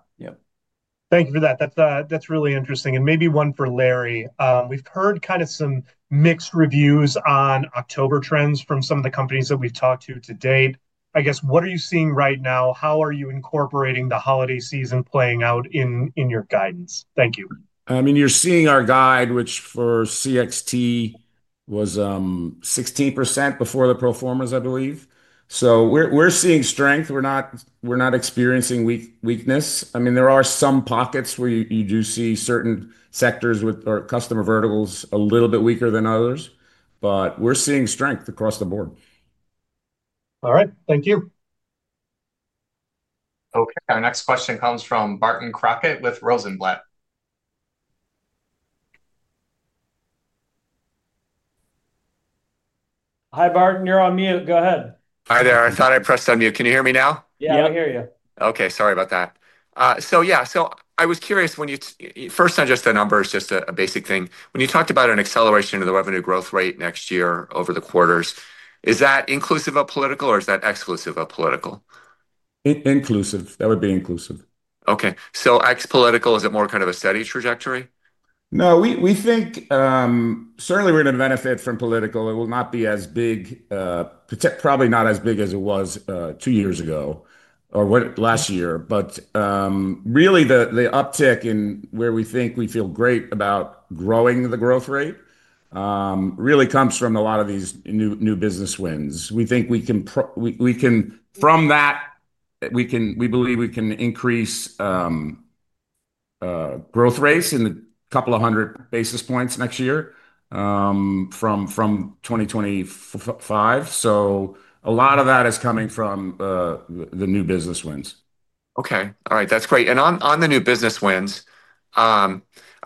Yeah. Thank you for that. That's really interesting. Maybe one for Larry. We've heard kind of some mixed reviews on October trends from some of the companies that we've talked to to date. I guess, what are you seeing right now? How are you incorporating the holiday season playing out in your guidance? Thank you. I mean, you're seeing our guide, which for CXT was 16% before the proformas, I believe. We're seeing strength. We're not experiencing weakness. I mean, there are some pockets where you do see certain sectors or customer verticals a little bit weaker than others, but we're seeing strength across the board. All right. Thank you. Okay, our next question comes from Barton Crockett with Rosenblatt. Hi Barton, you're on mute. Go ahead. Hi there. I thought I pressed on mute. Can you hear me now? Yeah, I hear you. Okay, sorry about that. So yeah, so I was curious when you, first on just the numbers, just a basic thing. When you talked about an acceleration of the revenue growth rate next year over the quarters, is that inclusive of political or is that exclusive of political? Inclusive. That would be inclusive. Okay. So ex-political, is it more kind of a steady trajectory? No, we think certainly we're going to benefit from political. It will not be as big, probably not as big as it was two years ago or last year. Really, the uptick in where we think we feel great about growing the growth rate comes from a lot of these new business wins. We think we can, from that, we believe we can increase growth rates in a couple of hundred basis points next year from 2025. A lot of that is coming from the new business wins. Okay. All right. That's great. On the new business wins, I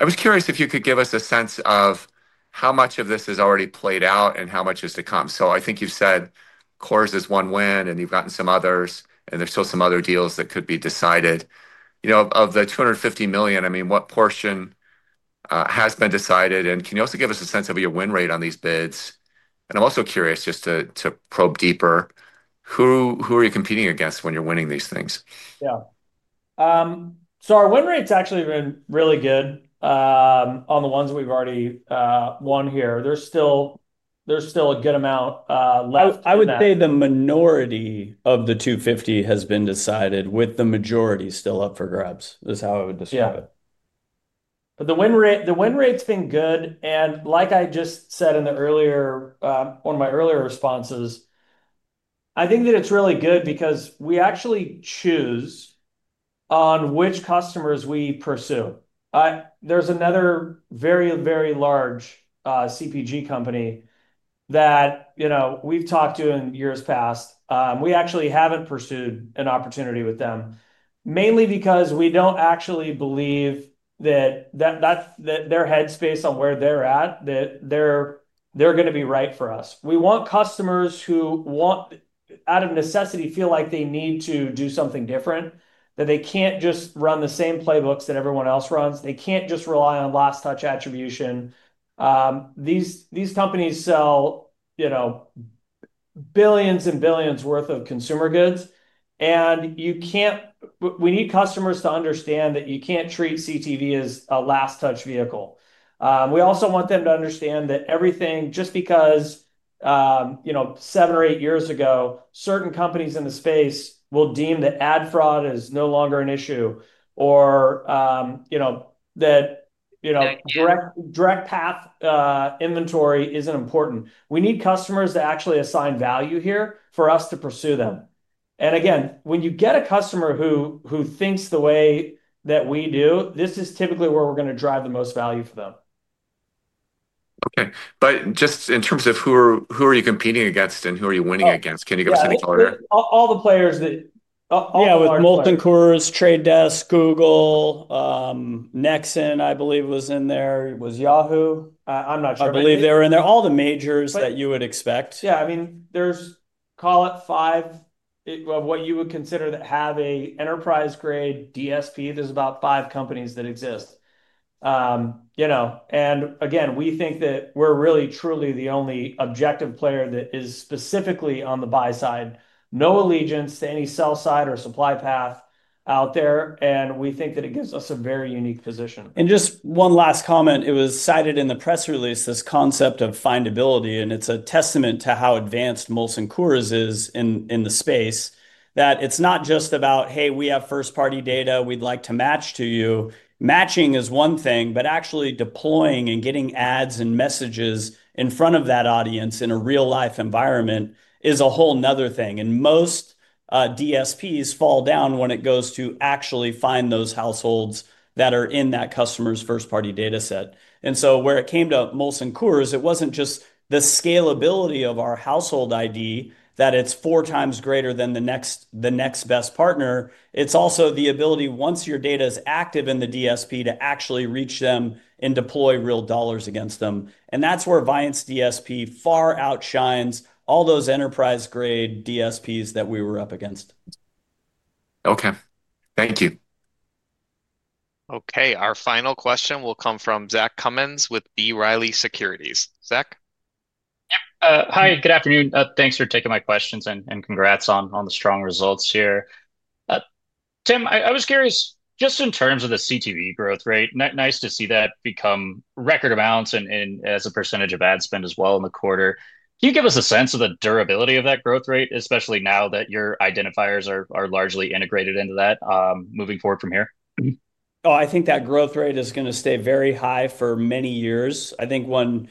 was curious if you could give us a sense of how much of this has already played out and how much is to come. I think you've said Coors is one win and you've gotten some others, and there are still some other deals that could be decided. You know, of the $250 million, I mean, what portion has been decided? Can you also give us a sense of your win rate on these bids? I'm also curious just to probe deeper, who are you competing against when you're winning these things? Yeah. Our win rate's actually been really good on the ones we've already won here. There's still a good amount left. I would say the minority of the $250 million has been decided with the majority still up for grabs. That's how I would describe it. Yeah. The win rate's been good. Like I just said in one of my earlier responses, I think that it's really good because we actually choose on which customers we pursue. There's another very, very large CPG company that we've talked to in years past. We actually haven't pursued an opportunity with them, mainly because we don't actually believe that their headspace on where they're at, that they're going to be right for us. We want customers who want, out of necessity, feel like they need to do something different, that they can't just run the same playbooks that everyone else runs. They can't just rely on last touch attribution. These companies sell billions and billions worth of consumer goods. We need customers to understand that you can't treat CTV as a last touch vehicle. We also want them to understand that everything, just because seven or eight years ago, certain companies in the space will deem that ad fraud is no longer an issue or that direct path inventory isn't important. We need customers to actually assign value here for us to pursue them. Again, when you get a customer who thinks the way that we do, this is typically where we're going to drive the most value for them. Okay. Just in terms of who are you competing against and who are you winning against, can you give us any color there? All the players that are involved. Yeah, with Molson Coors, Trade Desk, Google, Nexxen, I believe was in there. Was Yahoo? I'm not sure. I believe they were in there. All the majors that you would expect. Yeah. I mean, there's, call it five of what you would consider that have an enterprise-grade DSP. There's about five companies that exist. Again, we think that we're really, truly the only objective player that is specifically on the buy side. No allegiance to any sell side or supply path out there. We think that it gives us a very unique position. Just one last comment. It was cited in the press release, this concept of findability, and it's a testament to how advanced Molson Coors is in the space, that it's not just about, "Hey, we have first-party data we'd like to match to you." Matching is one thing, but actually deploying and getting ads and messages in front of that audience in a real-life environment is a whole nother thing. Most DSPs fall down when it goes to actually find those households that are in that customer's first-party data set. Where it came to Molson Coors, it wasn't just the scalability of our Household ID that it's four times greater than the next best partner. It's also the ability, once your data is active in the DSP, to actually reach them and deploy real dollars against them. That is where Viant's DSP far outshines all those enterprise-grade DSPs that we were up against. Okay. Thank you. Okay. Our final question will come from Zach Cummins with B. Riley Securities. Zach? Hi, good afternoon. Thanks for taking my questions and congrats on the strong results here. Tim, I was curious, just in terms of the CTV growth rate, nice to see that become record amounts and as a percentage of ad spend as well in the quarter. Can you give us a sense of the durability of that growth rate, especially now that your identifiers are largely integrated into that moving forward from here? Oh, I think that growth rate is going to stay very high for many years. I think when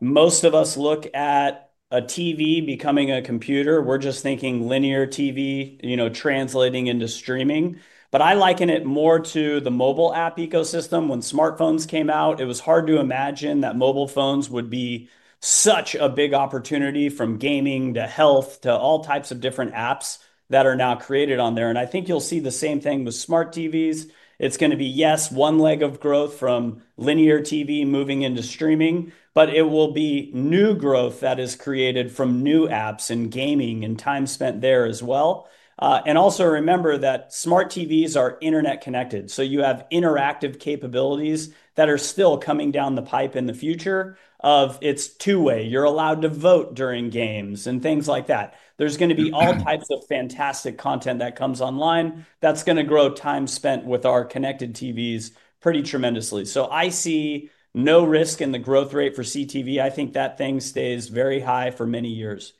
most of us look at a TV becoming a computer, we're just thinking linear TV, you know, translating into streaming. I liken it more to the mobile app ecosystem. When smartphones came out, it was hard to imagine that mobile phones would be such a big opportunity from gaming to health to all types of different apps that are now created on there. I think you'll see the same thing with smart TVs. It's going to be, yes, one leg of growth from linear TV moving into streaming, but it will be new growth that is created from new apps and gaming and time spent there as well. Also remember that smart TVs are internet connected. You have interactive capabilities that are still coming down the pipe in the future of it's two-way. You're allowed to vote during games and things like that. There's going to be all types of fantastic content that comes online that's going to grow time spent with our connected TVs pretty tremendously. I see no risk in the growth rate for CTV. I think that thing stays very high for many years.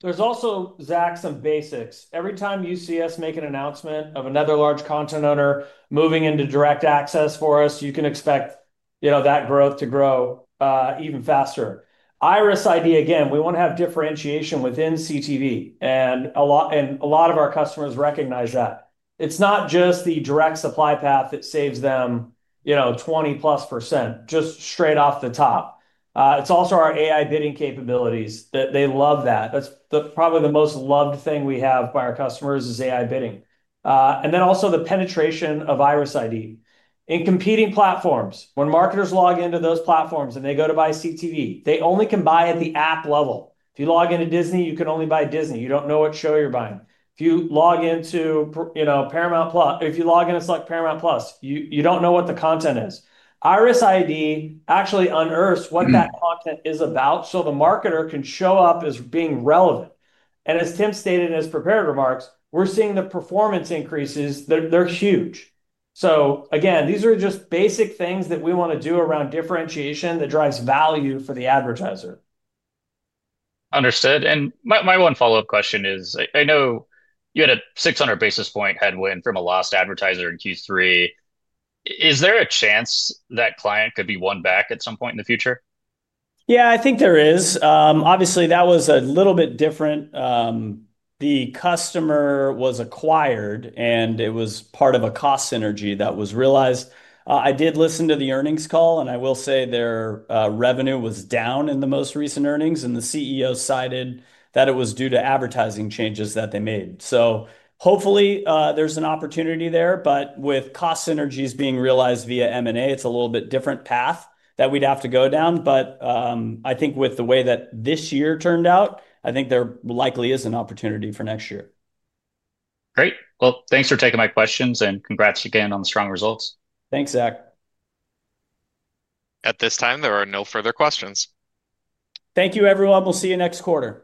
There's also, Zach, some basics. Every time you see us make an announcement of another large content owner moving into direct access for us, you can expect that growth to grow even faster. Iris ID, again, we want to have differentiation within CTV. A lot of our customers recognize that. It's not just the direct supply path that saves them 20+% just straight off the top. It's also our AI Bidding capabilities that they love. That's probably the most loved thing we have by our customers is AI Bidding. Also the penetration of Iris ID. In competing platforms, when marketers log into those platforms and they go to buy CTV, they only can buy at the app level. If you log into Disney, you can only buy Disney. You do not know what show you are buying. If you log into Paramount+, if you log into select Paramount+, you do not know what the content is. Iris ID actually unearths what that content is about so the marketer can show up as being relevant. As Tim stated in his prepared remarks, we are seeing the performance increases. They are huge. These are just basic things that we want to do around differentiation that drives value for the advertiser. Understood. My one follow-up question is, I know you had a 600-basis-point headwind from a lost advertiser in Q3. Is there a chance that client could be won back at some point in the future? Yeah, I think there is. Obviously, that was a little bit different. The customer was acquired, and it was part of a cost synergy that was realized. I did listen to the earnings call, and I will say their revenue was down in the most recent earnings, and the CEO cited that it was due to advertising changes that they made. Hopefully there's an opportunity there, but with cost synergies being realized via M&A, it's a little bit different path that we'd have to go down. I think with the way that this year turned out, I think there likely is an opportunity for next year. Great. Thanks for taking my questions and congrats again on the strong results. Thanks, Zach. At this time, there are no further questions. Thank you, everyone. We'll see you next quarter.